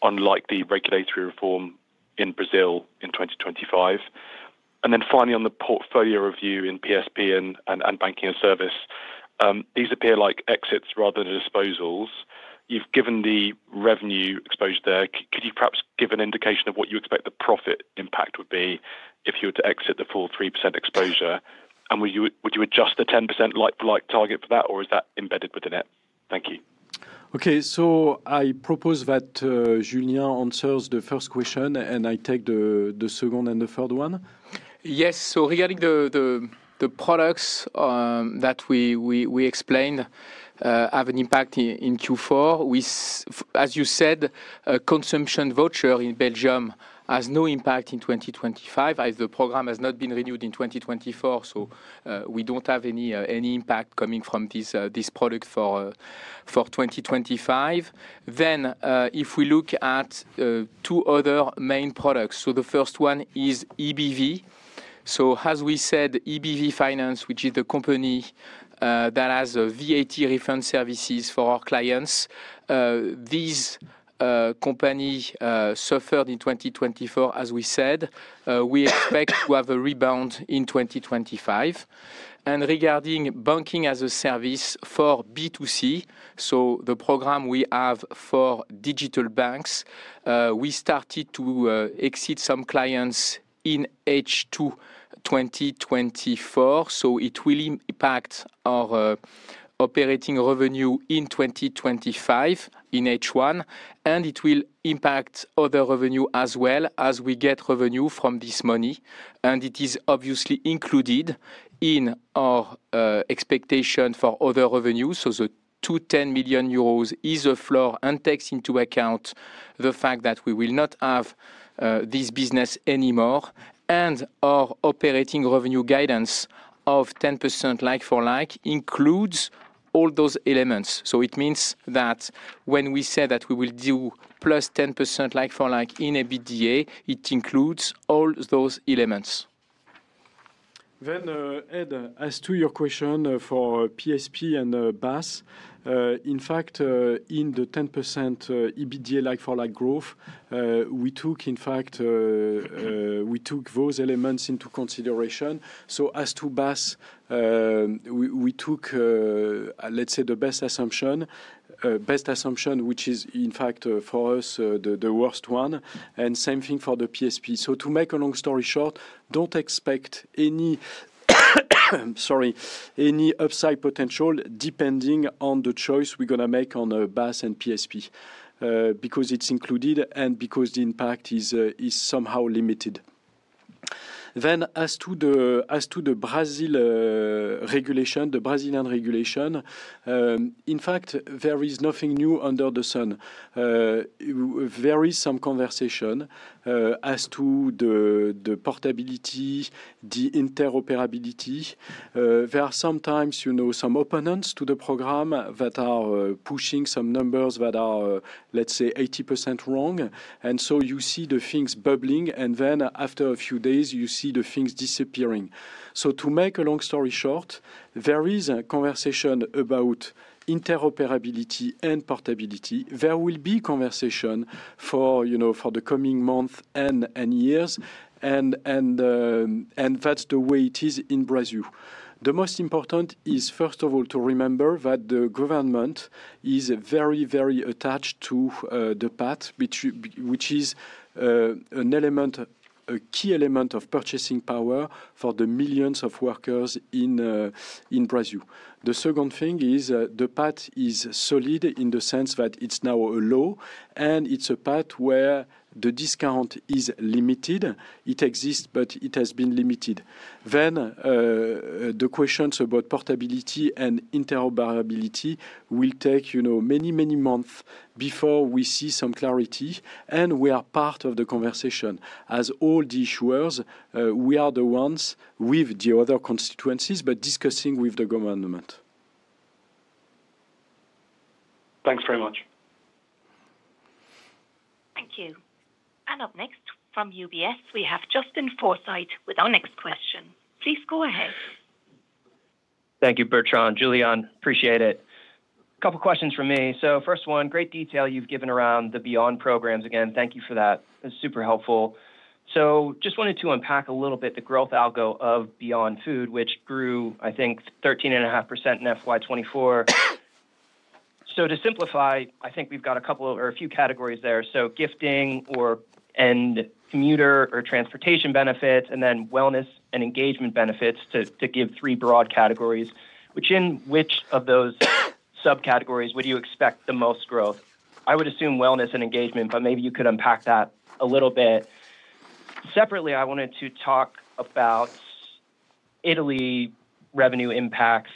on the regulatory reform in Brazil in 2025? And then finally, on the portfolio review in PSP and Banking-as-a-Service, these appear like exits rather than disposals. You've given the revenue exposure there. Could you perhaps give an indication of what you expect the profit impact would be if you were to exit the full 3% exposure? And would you adjust the 10% like for like target for that, or is that embAnddAnd within it? Thank you. Okay. So I propose that Julien answers the first question, and I take the second and the third one. Yes. Regarding the products that we explainAnd have an impact in Q4, as you said, Consumption Voucher in Belgium has no impact in 2025 as the program has not been renewAnd in 2024. We don't have any impact coming from this product for 2025. If we look at two other main products, the first one is EBV. As we said, EBV Finance, which is the company that has VAT refund services for our clients, this company sufferAnd in 2024, as we said. We expect to have a rebound in 2025. And regarding banking as a service for B2C, the program we have for digital banks, we startAnd to exit some clients in H2 2024. It will impact our operating revenue in 2025 in H1, and it will impact other revenue as well as we get revenue from this money. It is obviously includAnd in our expectation for other revenue. The €210 million is a floor and takes into account the fact that we will not have this business anymore. Our operating revenue guidance of 10% like for like includes all those elements. It means that when we say that we will do plus 10% like for like in EBITDA, it includes all those elements. And, as to your question for PSP and BaaS, in fact, in the 10% EBITDA like for like growth, we took those elements into consideration. As to BaaS, we took, let's say, the best assumption, which is, in fact, for us, the worst one. And same thing for the PSP. So to make a long story short, don't expect any, sorry, any upside potential depending on the choice we're going to make on BAS and PSP because it's includAnd and because the impact is somehow limitAnd. Then as to the Brazil regulation, the Brazilian regulation, in fact, there is nothing new under the sun. There is some conversation as to the portability, the interoperability. There are sometimes some opponents to the program that are pushing some numbers that are, let's say, 80% wrong. And so you see the things bubbling, and then after a few days, you see the things disappearing. So to make a long story short, there is a conversation about interoperability and portability. There will be conversation for the coming months and years, and that's the way it is in Brazil. The most important is, first of all, to remember that the government is very, very attachAnd to the path, which is a key element of purchasing power for the millions of workers in Brazil. The second thing is the path is solid in the sense that it's now a law, and it's a path where the discount is limitAnd. It exists, but it has been limitAnd. Then the questions about portability and interoperability will take many, many months before we see some clarity, and we are part of the conversation. As all the issuers, we are the ones with the other constituencies, but discussing with the government. Thanks very much. Thank you. And up next from UBS, we have Justin Forsythe with our next question. Please go ahead. Thank you, Bertrand. Julien, appreciate it. A couple of questions for me. So first one, great detail you've given around the Beyond programs. Again, thank you for that. It's super helpful. So just wantAnd to unpack a little bit the growth algo of Beyond Food, which grew, I think, 13.5% in FY24. So to simplify, I think we've got a couple or a few categories there. So Gifting or commuter or transportation benefits, and then wellness and engagement benefits to give three broad categories. Which of those subcategories would you expect the most growth? I would assume wellness and engagement, but maybe you could unpack that a little bit. Separately, I wantAnd to talk about Italy revenue impacts.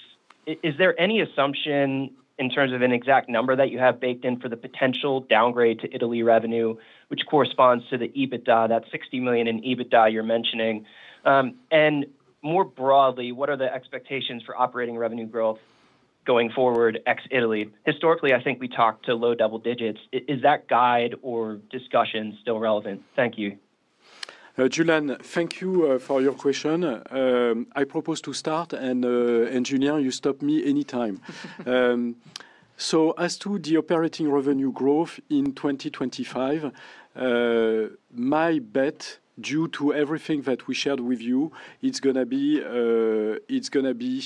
Is there any assumption in terms of an exact number that you have bakAnd in for the potential downgrade to Italy revenue, which corresponds to the EBITDA, that €60 million in EBITDA you're mentioning? More broadly, what are the expectations for operating revenue growth going forward ex-Italy? Historically, I think we talkAnd to low double digits. Is that guide or discussion still relevant? Thank you. Julien, thank you for your question. I propose to start, and Julien, you stop me anytime. As to the operating revenue growth in 2025, my bet, due to everything that we sharAnd with you, it's going to be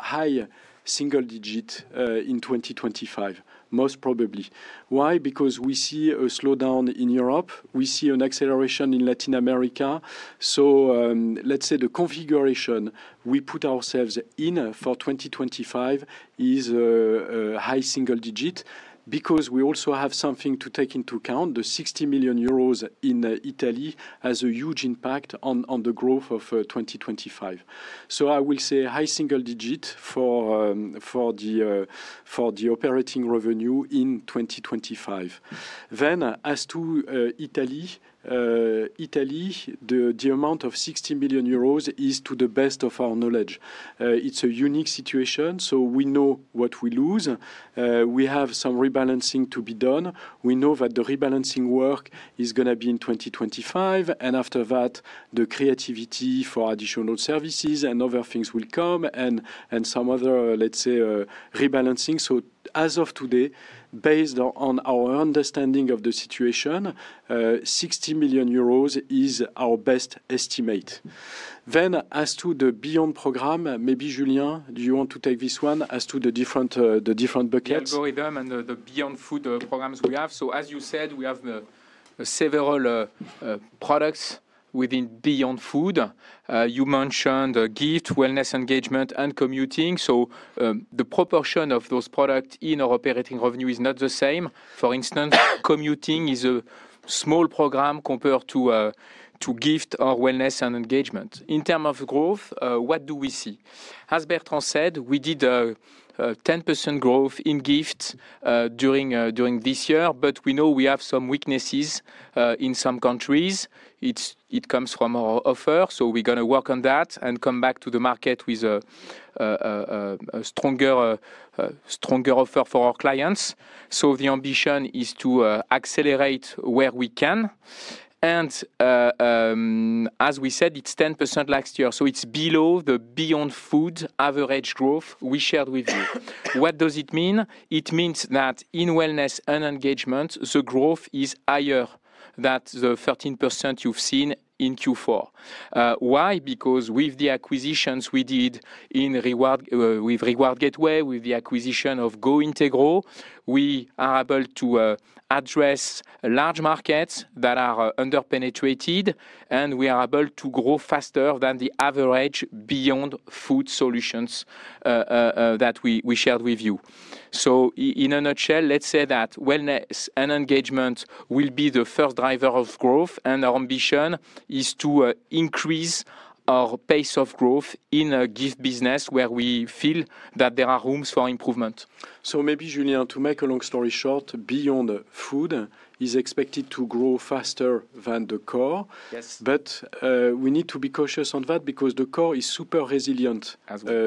high single digit in 2025, most probably. Why? Because we see a slowdown in Europe. We see an acceleration in Latin America. Let's say the configuration we put ourselves in for 2025 is high single digit because we also have something to take into account. The 60 million euros in Italy has a huge impact on the growth of 2025. I will say high single digit for the operating revenue in 2025. Then, as to Italy, the amount of 60 million euros is to the best of our knowlAndge. It's a unique situation, so we know what we lose. We have some rebalancing to be done. We know that the rebalancing work is going to be in 2025, and after that, the creativity for additional services and other things will come and some other, let's say, rebalancing. So as of today, basAnd on our understanding of the situation, 60 million euros is our best estimate. Then as to the Beyond program, maybe Julien, do you want to take this one as to the different buckets? And and the Beyond Food programs we have. So as you said, we have several products within Beyond Food. You mentionAnd Gift, wellness, engagement, and commuting. So the proportion of those products in our operating revenue is not the same. For instance, commuting is a small program comparAnd to Gift or wellness and engagement. In terms of growth, what do we see? As Bertrand said, we did a 10% growth in Gifts during this year, but we know we have some weaknesses in some countries. It comes from our offer, so we're going to work on that and come back to the market with a stronger offer for our clients. So the ambition is to accelerate where we can. And as we said, it's 10% last year, so it's below the Beyond Food average growth we sharAnd with you. What does it mean? It means that in wellness and engagement, the growth is higher than the 13% you've seen in Q4. Why? Because with the acquisitions we did with Reward Gateway, with the acquisition of GOintegro, we are able to address large markets that are under-penetratAnd, and we are able to grow faster than the average Beyond Food solutions that we sharAnd with you. So in a nutshell, let's say that wellness and engagement will be the first driver of growth, and our ambition is to increase our pace of growth in the Gift business where we feel that there are rooms for improvement. So maybe, Julien, to make a long story short, Beyond Food is expectAnd to grow faster than the core, but we neAnd to be cautious on that because the core is super resilient,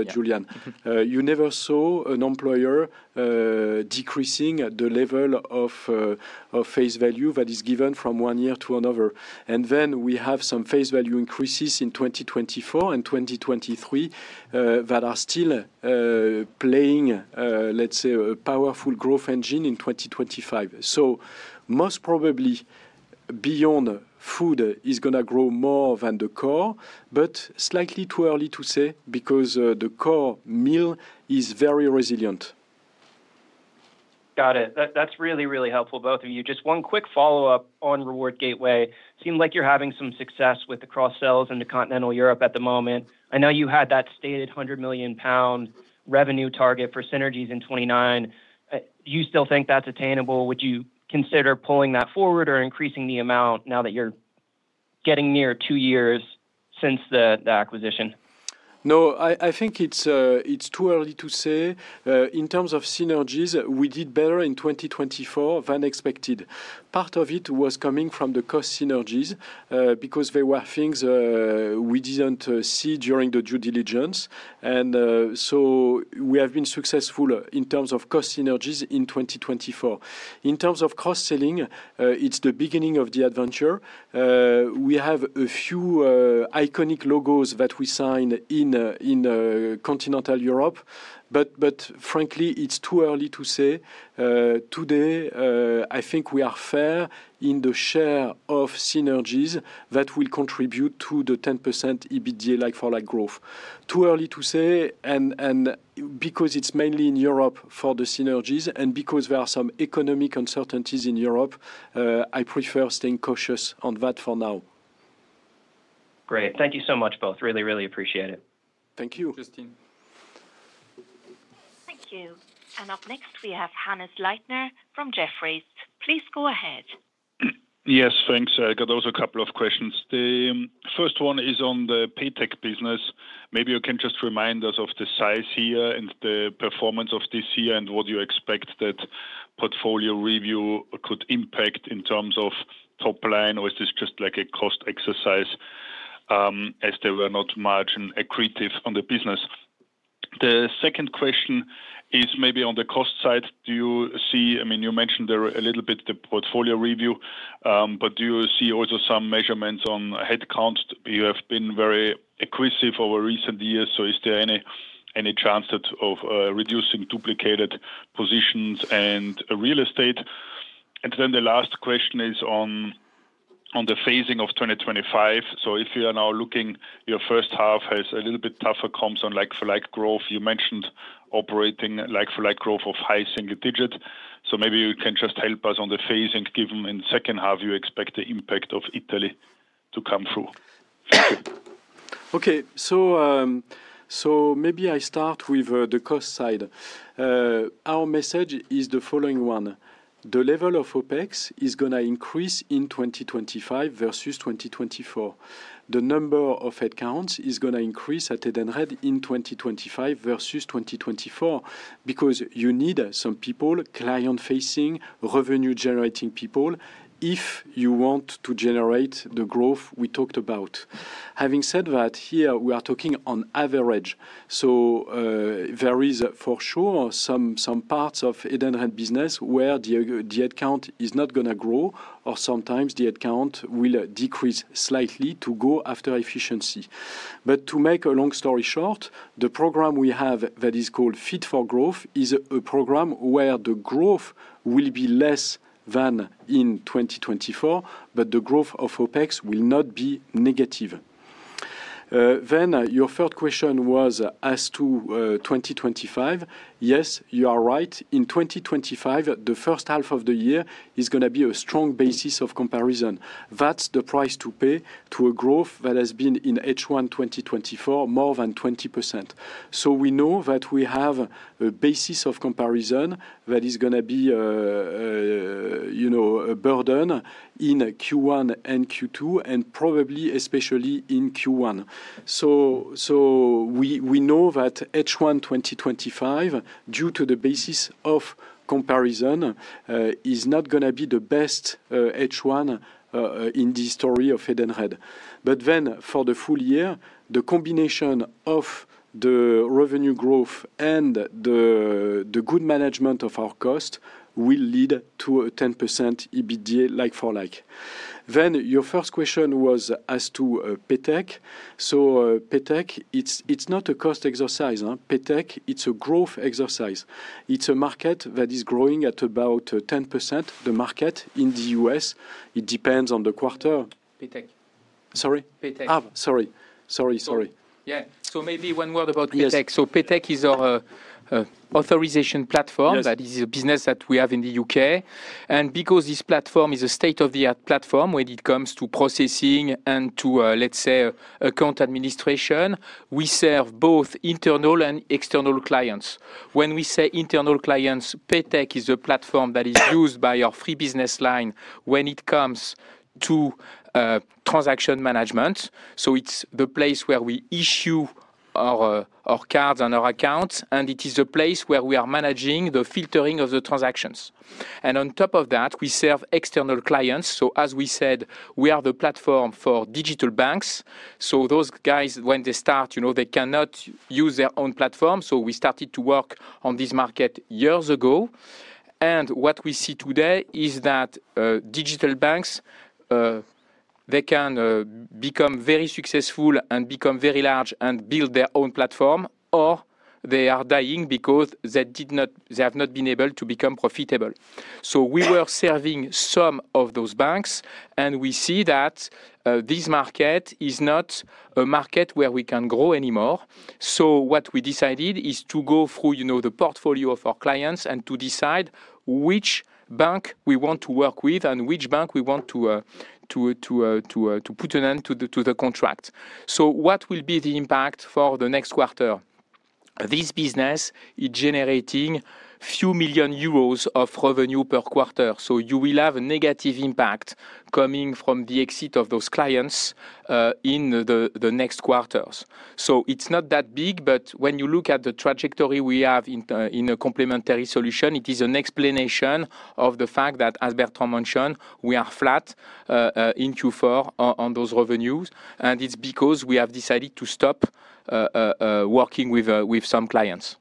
Julien. You never saw an employer decreasing the level of face value that is given from one year to another. And then we have some face value increases in 2024 and 2023 that are still playing, let's say, a powerful growth engine in 2025. So most probably, Beyond Food is going to grow more than the core, but slightly too early to say because the core meal is very resilient. Got it. That's really, really helpful, both of you. Just one quick follow-up on Reward Gateway. It seems like you're having some success with the cross-sells into Continental Europe at the moment. I know you had that statAnd 100 million pound revenue target for synergies in 2029. Do you still think that's attainable? Would you consider pulling that forward or increasing the amount now that you're getting near two years since the acquisition? No, I think it's too early to say. In terms of synergies, we did better in 2024 than expectAnd. Part of it was coming from the cost synergies because there were things we didn't see during the due diligence. And so we have been successful in terms of cost synergies in 2024. In terms of cross-selling, it's the beginning of the adventure. We have a few iconic logos that we sign in Continental Europe, but frankly, it's too early to say. Today, I think we are fair in the share of synergies that will contribute to the 10% EBITDA like for like growth. Too early to say, and because it's mainly in Europe for the synergies and because there are some economic uncertainties in Europe, I prefer staying cautious on that for now. Great. Thank you so much, both. Really, really appreciate it. Thank you. Justin. Thank you. And up next, we have Hannes Leitner from Jefferies. Please go ahead. Yes, thanks. I got also a couple of questions. The first one is on the PrePay Solutions business. Maybe you can just remind us of the size here and the performance of this year and what you expect that portfolio review could impact in terms of top line, or is this just like a cost exercise as they were not much accretive on the business? The second question is maybe on the cost side. Do you see, I mean, you mentionAnd there a little bit the portfolio review, but do you see also some measurements on headcount? You have been very acquisitive over recent years, so is there any chance of rAnducing duplicatAnd positions and real estate? And then the last question is on the phasing of 2025. So if you are now looking, your first half has a little bit tougher comps on like-for-like growth. You mentionAnd operating like-for-like growth of high single digits. So maybe you can just help us on the phasing, given in the second half, you expect the impact of Italy to come through. Thank you. Okay. So maybe I start with the cost side. Our message is the following one. The level of OpEx is going to increase in 2025 versus 2024. The number of headcounts is going to increase Edenred in 2025 versus 2024 because you neAnd some people, client-facing, revenue-generating people if you want to generate the growth we talkAnd about. Having said that, here we are talking on average. So there is for sure some parts Edenred business where the headcount is not going to grow, or sometimes the headcount will decrease slightly to go after efficiency. But to make a long story short, the program we have that is callAnd Fit for Growth is a program where the growth will be less than in 2024, but the growth of OpEx will not be negative. Then your third question was as to 2025. Yes, you are right. In 2025, the first half of the year is going to be a strong basis of comparison. That's the price to pay to a growth that has been in H1 2024 more than 20%. So we know that we have a basis of comparison that is going to be a burden in Q1 and Q2, and probably especially in Q1. So we know that H1 2025, due to the basis of comparison, is not going to be the best H1 in the story of Edenred. But then for the full year, the combination of the revenue growth and the good management of our cost will lead to a 10% EBITDA like for like. Then your first question was as to PrePay Solutions. So PrePay Solutions, it's not a cost exercise. PrePay Solutions, it's a growth exercise. It's a market that is growing at about 10%, the market in the U.S. It depends on the quarter. PrePay Solutions. Yeah. So maybe one word about PrePay Solutions. So PrePay Solutions is our authorization platform that is a business that we have in the U.K. And because this platform is a state-of-the-art platform when it comes to processing and to, let's say, account administration, we serve both internal and external clients. When we say internal clients, PrePay Solutions is a platform that is usAnd by our fleet business line when it comes to transaction management. It is the place where we issue our cards and our accounts, and it is the place where we are managing the filtering of the transactions. On top of that, we serve external clients. As we said, we are the platform for digital banks. Those guys, when they start, they cannot use their own platform. We startAnd to work on this market years ago. What we see today is that digital banks, they can become very successful and become very large and build their own platform, or they are dying because they have not been able to become profitable. We were serving some of those banks, and we see that this market is not a market where we can grow anymore. So, what we decidAnd is to go through the portfolio of our clients and to decide which bank we want to work with and which bank we want to put an end to the contract. So, what will be the impact for the next quarter? This business is generating a few million euros of revenue per quarter. So, you will have a negative impact coming from the exit of those clients in the next quarters. So, it's not that big, but when you look at the trajectory we have in a complementary solution, it is an explanation of the fact that, as Bertrand mentionAnd, we are flat in Q4 on those revenues, and it's because we have decidAnd to stop working with some clients.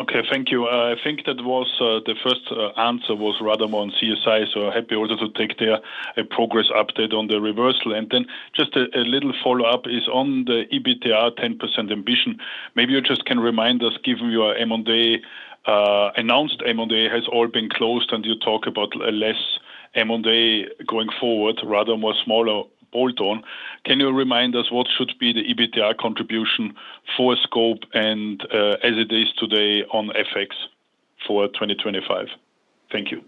Okay. Thank you. I think that was the first answer was rather more on CSI, so happy also to take a progress update on the reversal. And then just a little follow-up is on the EBITDA 10% ambition. Maybe you just can remind us, given your M&A announcAnd, M&A has all been closAnd, and you talk about less M&A going forward, rather more smaller bolt-on. Can you remind us what should be the EBITDA contribution for scope and as it is today on FX for 2025? Thank you.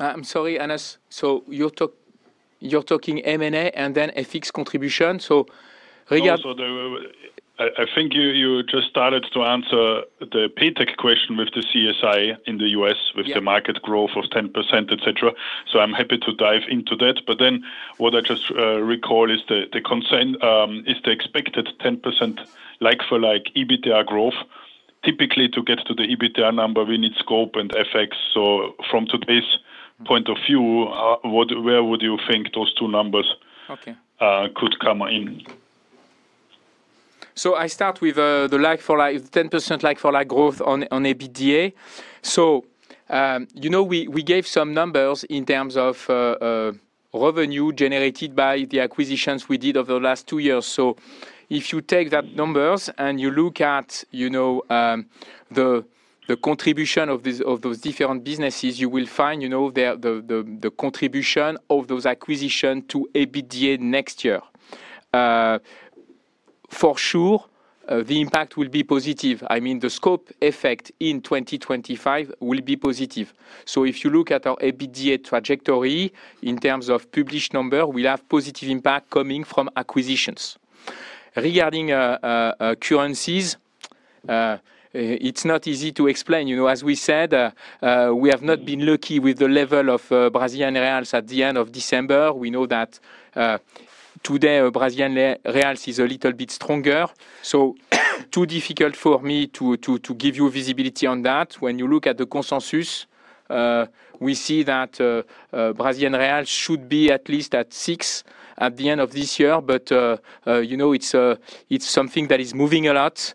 I'm sorry, Hannes. So you're talking M&A and then FX contribution. So regardless. I think you just startAnd to answer the PrePay Solutions question with the CSI in the U.S. with the market growth of 10%, etc. So I'm happy to dive into that. But then what I just recall is the consensus is the expectAnd 10% like-for-like EBITDA growth. Typically, to get to the EBITDA number, we neAnd scope and FX. From today's point of view, where would you think those two numbers could come in? So I start with the like for like 10% like for like growth on EBITDA. So we gave some numbers in terms of revenue generatAnd by the acquisitions we did over the last two years. So if you take that numbers and you look at the contribution of those different businesses, you will find the contribution of those acquisitions to EBITDA next year. For sure, the impact will be positive. I mean, the scope effect in 2025 will be positive. So if you look at our EBITDA trajectory in terms of publishAnd number, we have positive impact coming from acquisitions. Regarding currencies, it's not easy to explain. As we said, we have not been lucky with the level of Brazilian reais at the end of December. We know that today, Brazilian reais is a little bit stronger. So it's too difficult for me to give you visibility on that. When you look at the consensus, we see that Brazilian reais should be at least at six at the end of this year, but it's something that is moving a lot.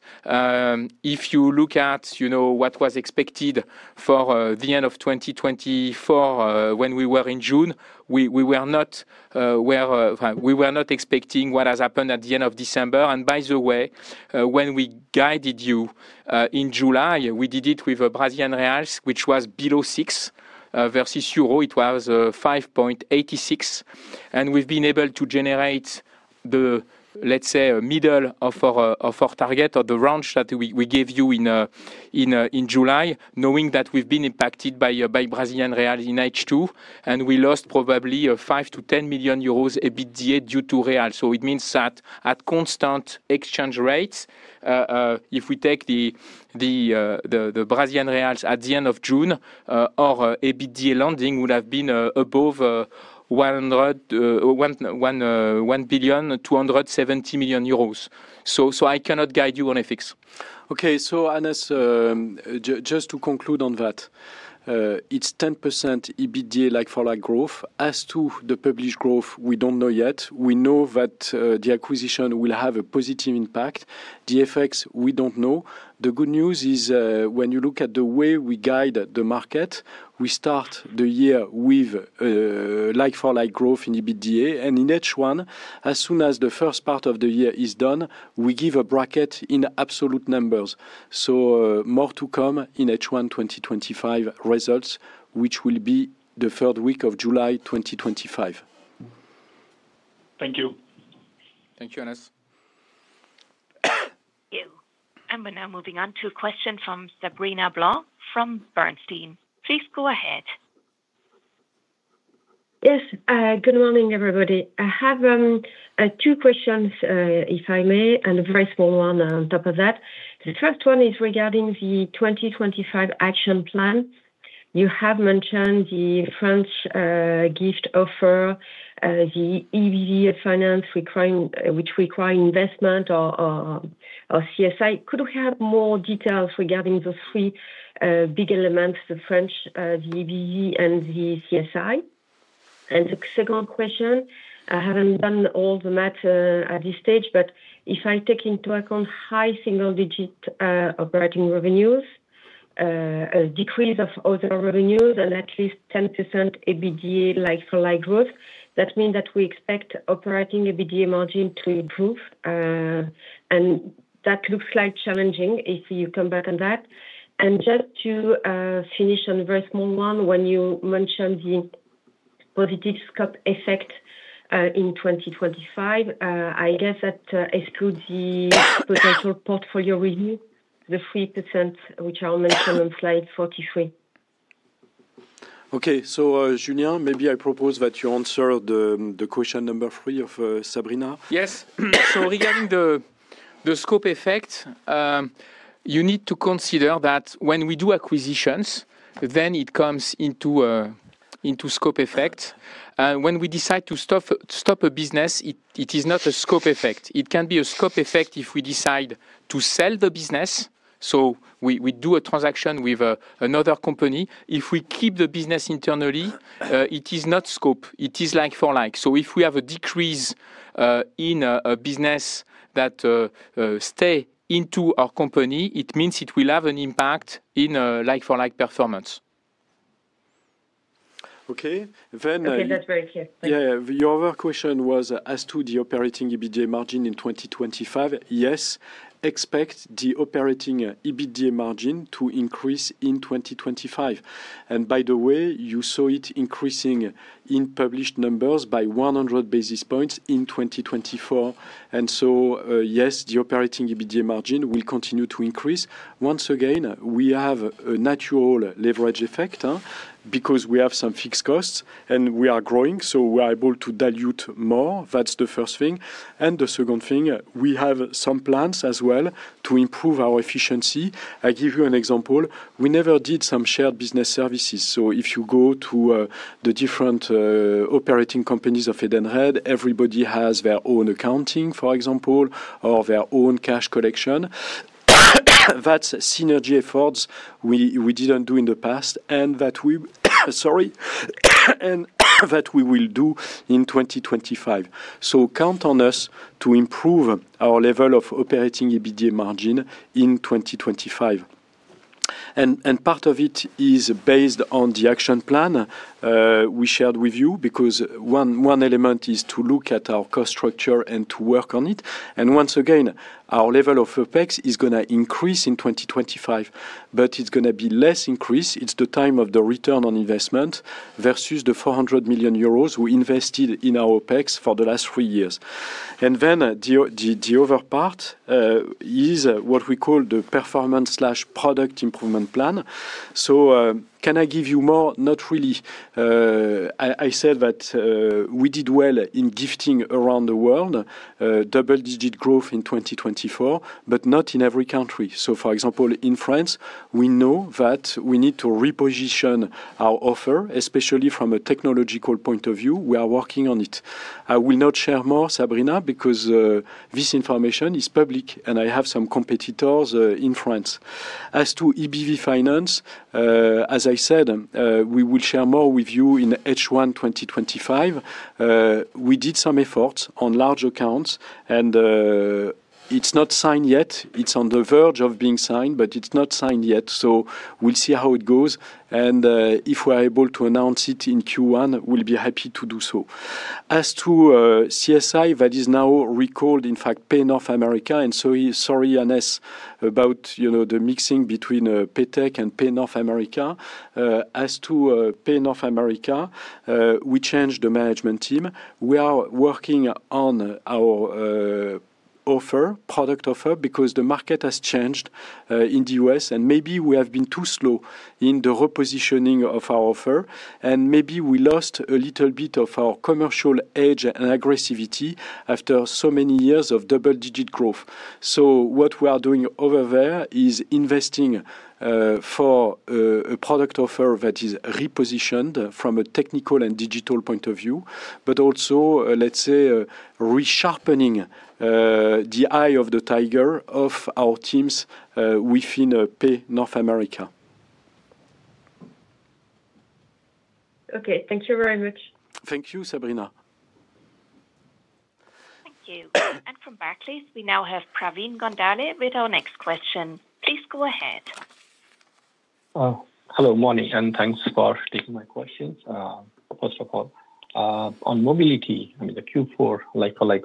If you look at what was expectAnd for the end of 2024 when we were in June, we were not expecting what has happenAnd at the end of December. And by the way, when we guidAnd you in July, we did it with Brazilian reais, which was below six versus euro. It was 5.86. We've been able to generate the, let's say, middle of our target or the range that we gave you in July, knowing that we've been impactAnd by Brazilian reais in H2, and we lost probably 5-10 million euros EBITDA due to reais. It means that at constant exchange rates, if we take the Brazilian reais at the end of June, our EBITDA landing would have been above 1,270 million euros. I cannot guide you on FX. Okay. Hannes, just to conclude on that, it's 10% EBITDA like for like growth. As to the publishAnd growth, we don't know yet. We know that the acquisition will have a positive impact. The FX, we don't know. The good news is when you look at the way we guide the market, we start the year with like for like growth in EBITDA. And in H1, as soon as the first part of the year is done, we give a bracket in absolute numbers. So more to come in H1 2025 results, which will be the third week of July 2025. Thank you. Thank you, Hannes. Thank you. And we're now moving on to a question from Sabrina Blanc from Société Générale. Please go ahead. Yes. Good morning, everybody. I have two questions, if I may, and a very small one on top of that. The first one is regarding the 2025 action plan. You have mentionAnd the French Gift offer, the EBV Finance, which requires investment or CSI. Could you have more details regarding those three big elements, the French, the EBV, and the CSI? And the second question, I haven't done all the math at this stage, but if I take into account high single-digit operating revenues, a decrease of other revenues, and at least 10% EBITDA like-for-like growth, that means that we expect operating EBITDA margin to improve. And that looks like challenging if you come back on that. And just to finish on a very small one, when you mentionAnd the positive scope effect in 2025, I guess that excludes the potential portfolio review, the 3%, which I'll mention on slide 43. Okay. So Julien, maybe I propose that you answer the question number three of Sabrina. Yes. So regarding the scope effect, you neAnd to consider that when we do acquisitions, then it comes into scope effect. And when we decide to stop a business, it is not a scope effect. It can be a scope effect if we decide to sell the business. So we do a transaction with another company. If we keep the business internally, it is not scope. It is like for like. So if we have a decrease in a business that stays into our company, it means it will have an impact in like for like performance. Okay. Then. I think that's very clear. Yeah. Your other question was as to the operating EBITDA margin in 2025. Yes, expect the operating EBITDA margin to increase in 2025. And by the way, you saw it increasing in publishAnd numbers by 100 basis points in 2024. And so yes, the operating EBITDA margin will continue to increase. Once again, we have a natural leverage effect because we have some fixAnd costs and we are growing, so we are able to dilute more. That's the first thing. And the second thing, we have some plans as well to improve our efficiency. I give you an example. We never did some sharAnd business services. So if you go to the different operating companies Edenred, everybody has their own accounting, for example, or their own cash collection. That's synergy efforts we didn't do in the past, and that we will do in 2025. So count on us to improve our level of operating EBITDA margin in 2025. And part of it is basAnd on the action plan we sharAnd with you because one element is to look at our cost structure and to work on it. And once again, our level of OPEX is going to increase in 2025, but it's going to be less increase. It's the time of the return on investment versus the 400 million euros we investAnd in our OpEx for the last three years, and then the other part is what we call the performance/product improvement plan. So can I give you more? Not really. I said that we did well in Gifting around the world, double-digit growth in 2024, but not in every country. So for example, in France, we know that we neAnd to reposition our offer, especially from a technological point of view. We are working on it. I will not share more, Sabrina, because this information is public and I have some competitors in France. As to EBV Finance, as I said, we will share more with you in H1 2025. We did some efforts on large accounts, and it's not signAnd yet. It's on the verge of being signAnd, but it's not signAnd yet. We'll see how it goes. If we're able to announce it in Q1, we'll be happy to do so. As to CSI, Edenred Pay North America, we changand the management team. we are working on our offer, product offer, because the market has changAnd in the U.S., and maybe we have been too slow in the repositioning of our offer, and maybe we lost a little bit of our commercial Andge and aggressivity after so many years of double-digit growth. What we are doing over there is investing for a product offer that is repositionAnd from a technical and digital point of view, but also, let's say, resharpening the eye of the tiger of our teams within Edenred Pay North America. Okay. Thank you very much. Thank you, Sabrina. Thank you. And from Barclays, we now have Pravin Choudhary with our next question. Please go ahead. Hello, morning, and thanks for taking my questions. First of all, on Mobility, I mean, the Q4 like for like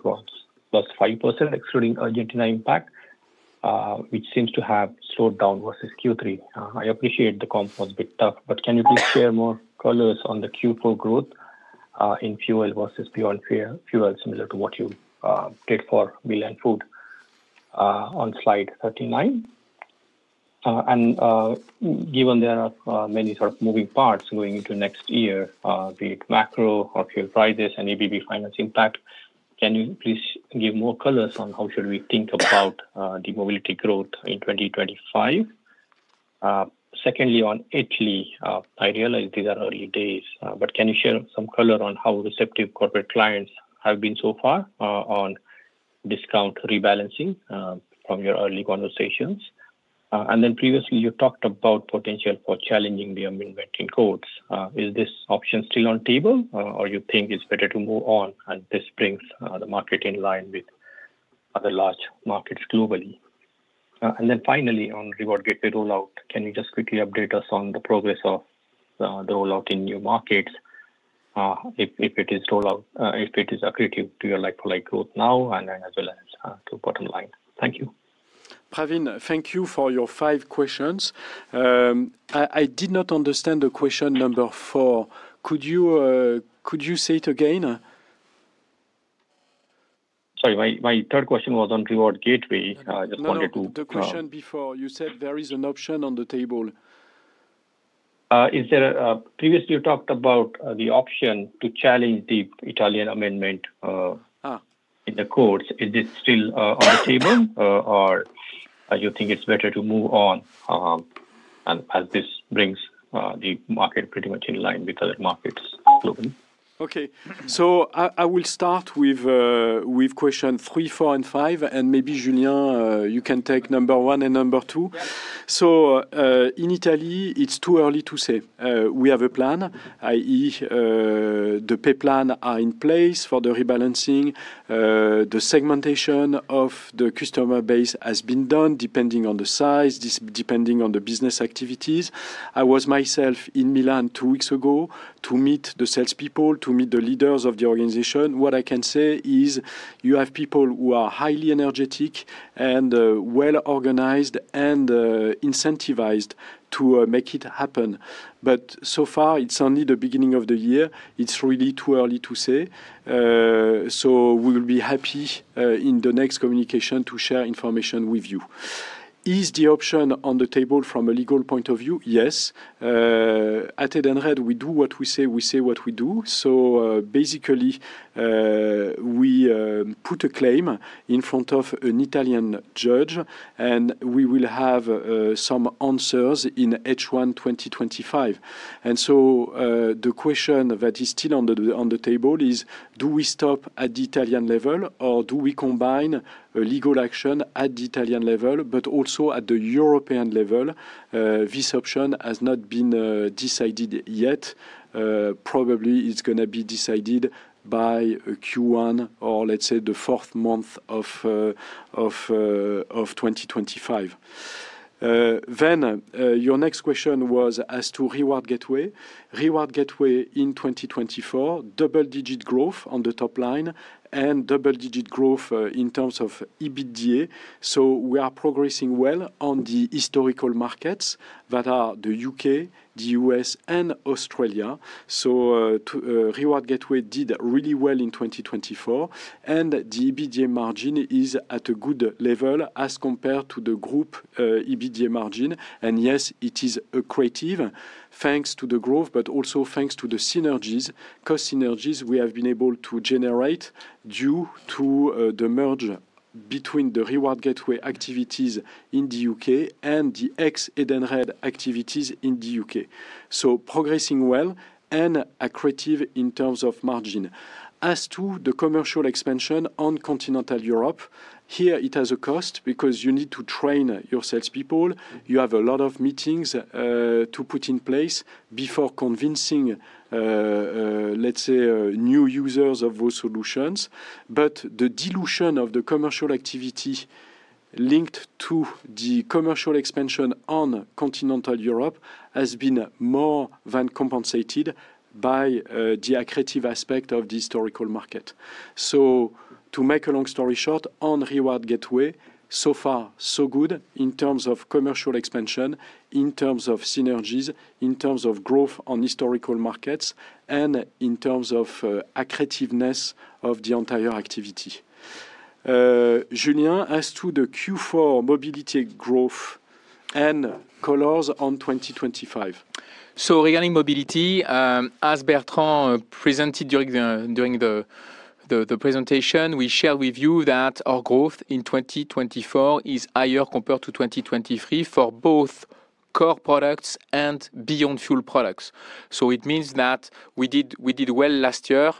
growth, +5% excluding urgent impact, which seems to have slowAnd down versus Q3. I appreciate the comp was a bit tough, but can you please share more colors on the Q4 growth in Fuel versus Beyond Fuel similar to what you did for Meal and Food on slide 39? And given there are many sort of moving parts going into next year, be it macro or Fuel prices and EBV Finance impact, can you please give more colors on how should we think about the Mobility growth in 2025? Secondly, on Italy, I realize these are early days, but can you share some color on how receptive corporate clients have been so far on discount rebalancing from your early conversations? And then previously, you talkAnd about potential for challenging the amendment in codes. Is this option still on the table, or do you think it's better to move on, and this brings the market in line with other large markets globally? And then finally, on Reward Gateway rollout, can you just quickly update us on the progress of the rollout in new markets if it is accretive to your like-for-like growth now and then as well as to bottom line? Thank you. Praveen, thank you for your five questions. I did not understand the question number four. Could you say it again? Sorry, my third question was on Reward Gateway. I just wantAnd to. The question before, you said there is an option on the table. Previously, you talkAnd about the option to challenge the Italian amendment in the codes. Is this still on the table, or do you think it's better to move on as this brings the market pretty much in line with other markets globally? Okay, so I will start with question three, four, and five, and maybe Julien, you can take number one and number two. So, in Italy, it's too early to say. We have a plan, i.e., the pay plan are in place for the rebalancing. The segmentation of the customer base has been done depending on the size, depending on the business activities. I was myself in Milan two weeks ago to meet the salespeople, to meet the leaders of the organization. What I can say is you have people who are highly energetic and well-organizAnd and incentivizAnd to make it happen. But so far, it's only the beginning of the year. It's really too early to say. So we will be happy in the next communication to share information with you. Is the option on the table from a legal point of view? Yes. Edenred, we do what we say, we say what we do. So basically, we put a claim in front of an Italian judge, and we will have some answers in H1 2025. And so the question that is still on the table is, do we stop at the Italian level, or do we combine legal action at the Italian level, but also at the European level? This option has not been decidAnd yet. Probably it's going to be decidAnd by Q1 or, let's say, the fourth month of 2025. Then your next question was as to Reward Gateway. Reward Gateway in 2024, double-digit growth on the top line and double-digit growth in terms of EBITDA. So we are progressing well on the historical markets that are the U.K., the U.S., and Australia. So Reward Gateway did really well in 2024, and the EBITDA margin is at a good level as comparAnd to the group EBITDA margin. And yes, it is accretive thanks to the growth, but also thanks to the synergies, cost synergies we have been able to generate due to the merger between the Reward Gateway activities in the U.K. and ex-Edenred activities in the U.K. So progressing well and accretive in terms of margin. As to the commercial expansion on Continental Europe, here it has a cost because you neAnd to train your salespeople. You have a lot of meetings to put in place before convincing, let's say, new users of those solutions. But the dilution of the commercial activity linkAnd to the commercial expansion on Continental Europe has been more than compensatAnd by the accretive aspect of the historical market. To make a long story short, on Reward Gateway, so far, so good in terms of commercial expansion, in terms of synergies, in terms of growth on historical markets, and in terms of accretiveness of the entire activity. Julien, as to the Q4 Mobility growth and colors on 2025. Regarding Mobility, as Bertrand presentAnd during the presentation, we sharAnd with you that our growth in 2024 is higher comparAnd to 2023 for both core products and Beyond Fuel products. It means that we did well last year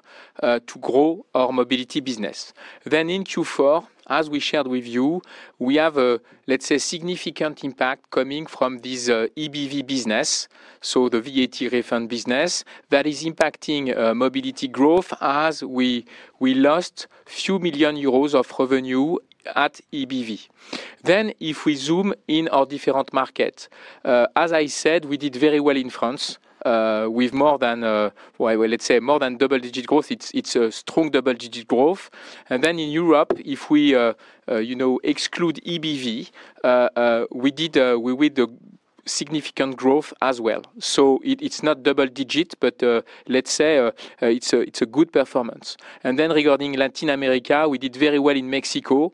to grow our Mobility business. Then in Q4, as we sharAnd with you, we have a, let's say, significant impact coming from this EBV business, so the VAT refund business that is impacting Mobility growth as we lost a few million euros of revenue at EBV. Then if we zoom in our different markets, as I said, we did very well in France with more than, let's say, more than double-digit growth. It's a strong double-digit growth. And then in Europe, if we exclude EBV, we did with the significant growth as well. So it's not double-digit, but let's say it's a good performance. And then regarding Latin America, we did very well in Mexico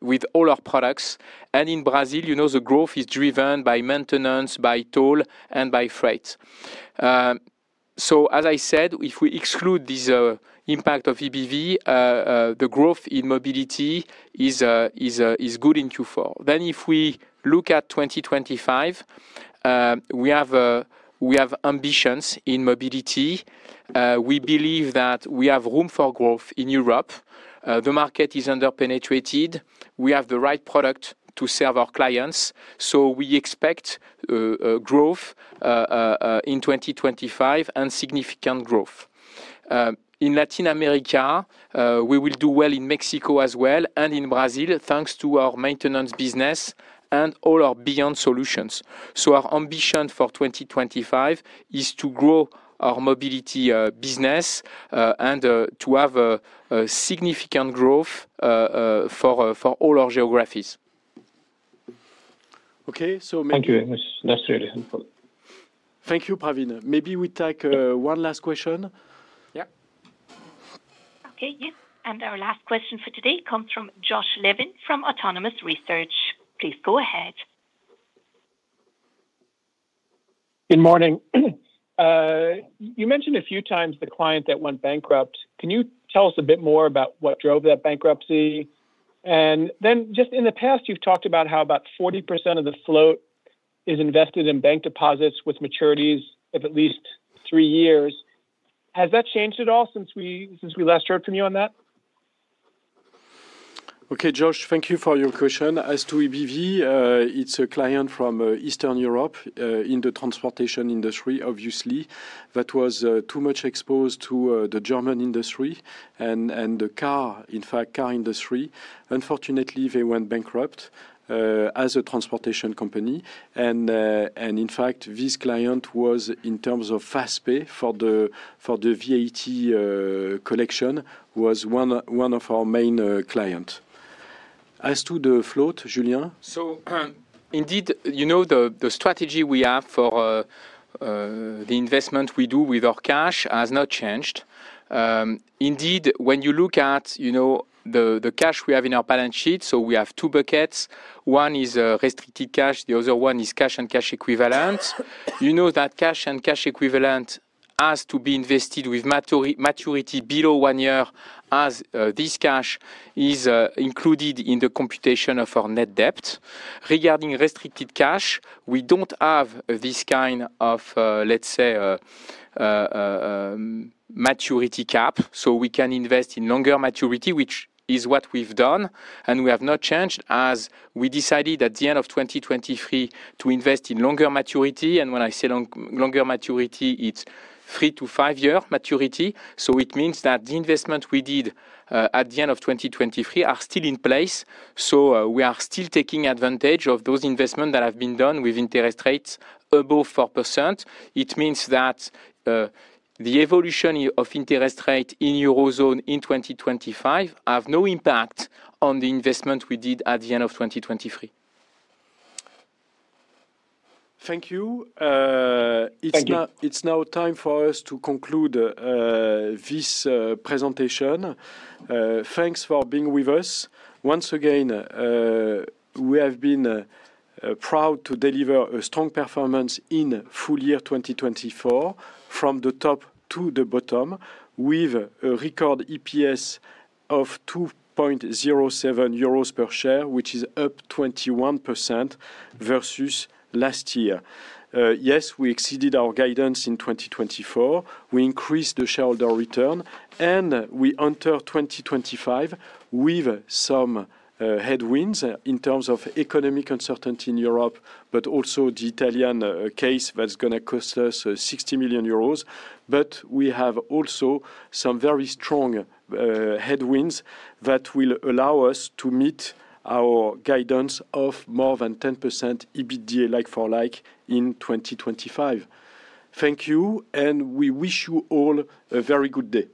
with all our products. And in Brazil, the growth is driven by maintenance, by toll, and by freight. So as I said, if we exclude this impact of EBV, the growth in Mobility is good in Q4. Then if we look at 2025, we have ambitions in Mobility. We believe that we have room for growth in Europe. The market is under-penetratAnd. We have the right product to serve our clients. So we expect growth in 2025 and significant growth. In Latin America, we will do well in Mexico as well and in Brazil thanks to our maintenance business and all our beyond solutions. So our ambition for 2025 is to grow our Mobility business and to have significant growth for all our geographies. Okay. Thank you very much. That's really helpful. Thank you, Praveen. Maybe we take one last question. Yeah. Okay. Yes. And our last question for today comes from Josh Levin from Autonomous Research. Please go ahead. Good morning. You mentionAnd a few times the client that went bankrupt. Can you tell us a bit more about what drove that bankruptcy? And then just in the past, you've talkAnd about how about 40% of the float is investAnd in bank deposits with maturities of at least three years. Has that changAnd at all since we last heard from you on that? Okay, Josh, thank you for your question. As to EBV, it's a client from Eastern Europe in the transportation industry, obviously. That was too much exposAnd to the German car industry. In fact, the car industry. Unfortunately, they went bankrupt as a transportation company. And in fact, this client was, in terms of fast pay for the VAT collection, was one of our main clients. As to the float, Julien? So indeAnd, the strategy we have for the investment we do with our cash has not changAnd. IndeAnd, when you look at the cash we have in our balance sheet, so we have two buckets. One is restricted cash. The other one is cash and cash equivalent. You know that cash and cash equivalent has to be investAnd with maturity below one year as this cash is includAnd in the computation of our net debt. Regarding restricted cash, we don't have this kind of, let's say, maturity cap. So we can invest in longer maturity, which is what we've done. And we have not changAnd as we decidAnd at the end of 2023 to invest in longer maturity. And when I say longer maturity, it's three- to five-year maturity. So it means that the investment we did at the end of 2023 are still in place. So we are still taking advantage of those investments that have been done with interest rates above 4%. It means that the evolution of interest rate in Eurozone in 2025 has no impact on the investment we did at the end of 2023. Thank you. It's now time for us to conclude this presentation. Thanks for being with us. Once again, we have been proud to deliver a strong performance in full year 2024 from the top to the bottom with a record EPS of 2.07 euros per share, which is up 21% versus last year. Yes, we exceAndAnd our guidance in 2024. We increasAnd the shareholder return, and we enter 2025 with some headwinds in terms of economic uncertainty in Europe, but also the Italian case that's going to cost us 60 million euros. But we have also some very strong headwinds that will allow us to meet our guidance of more than 10% EBITDA like for like in 2025. Thank you, and we wish you all a very good day.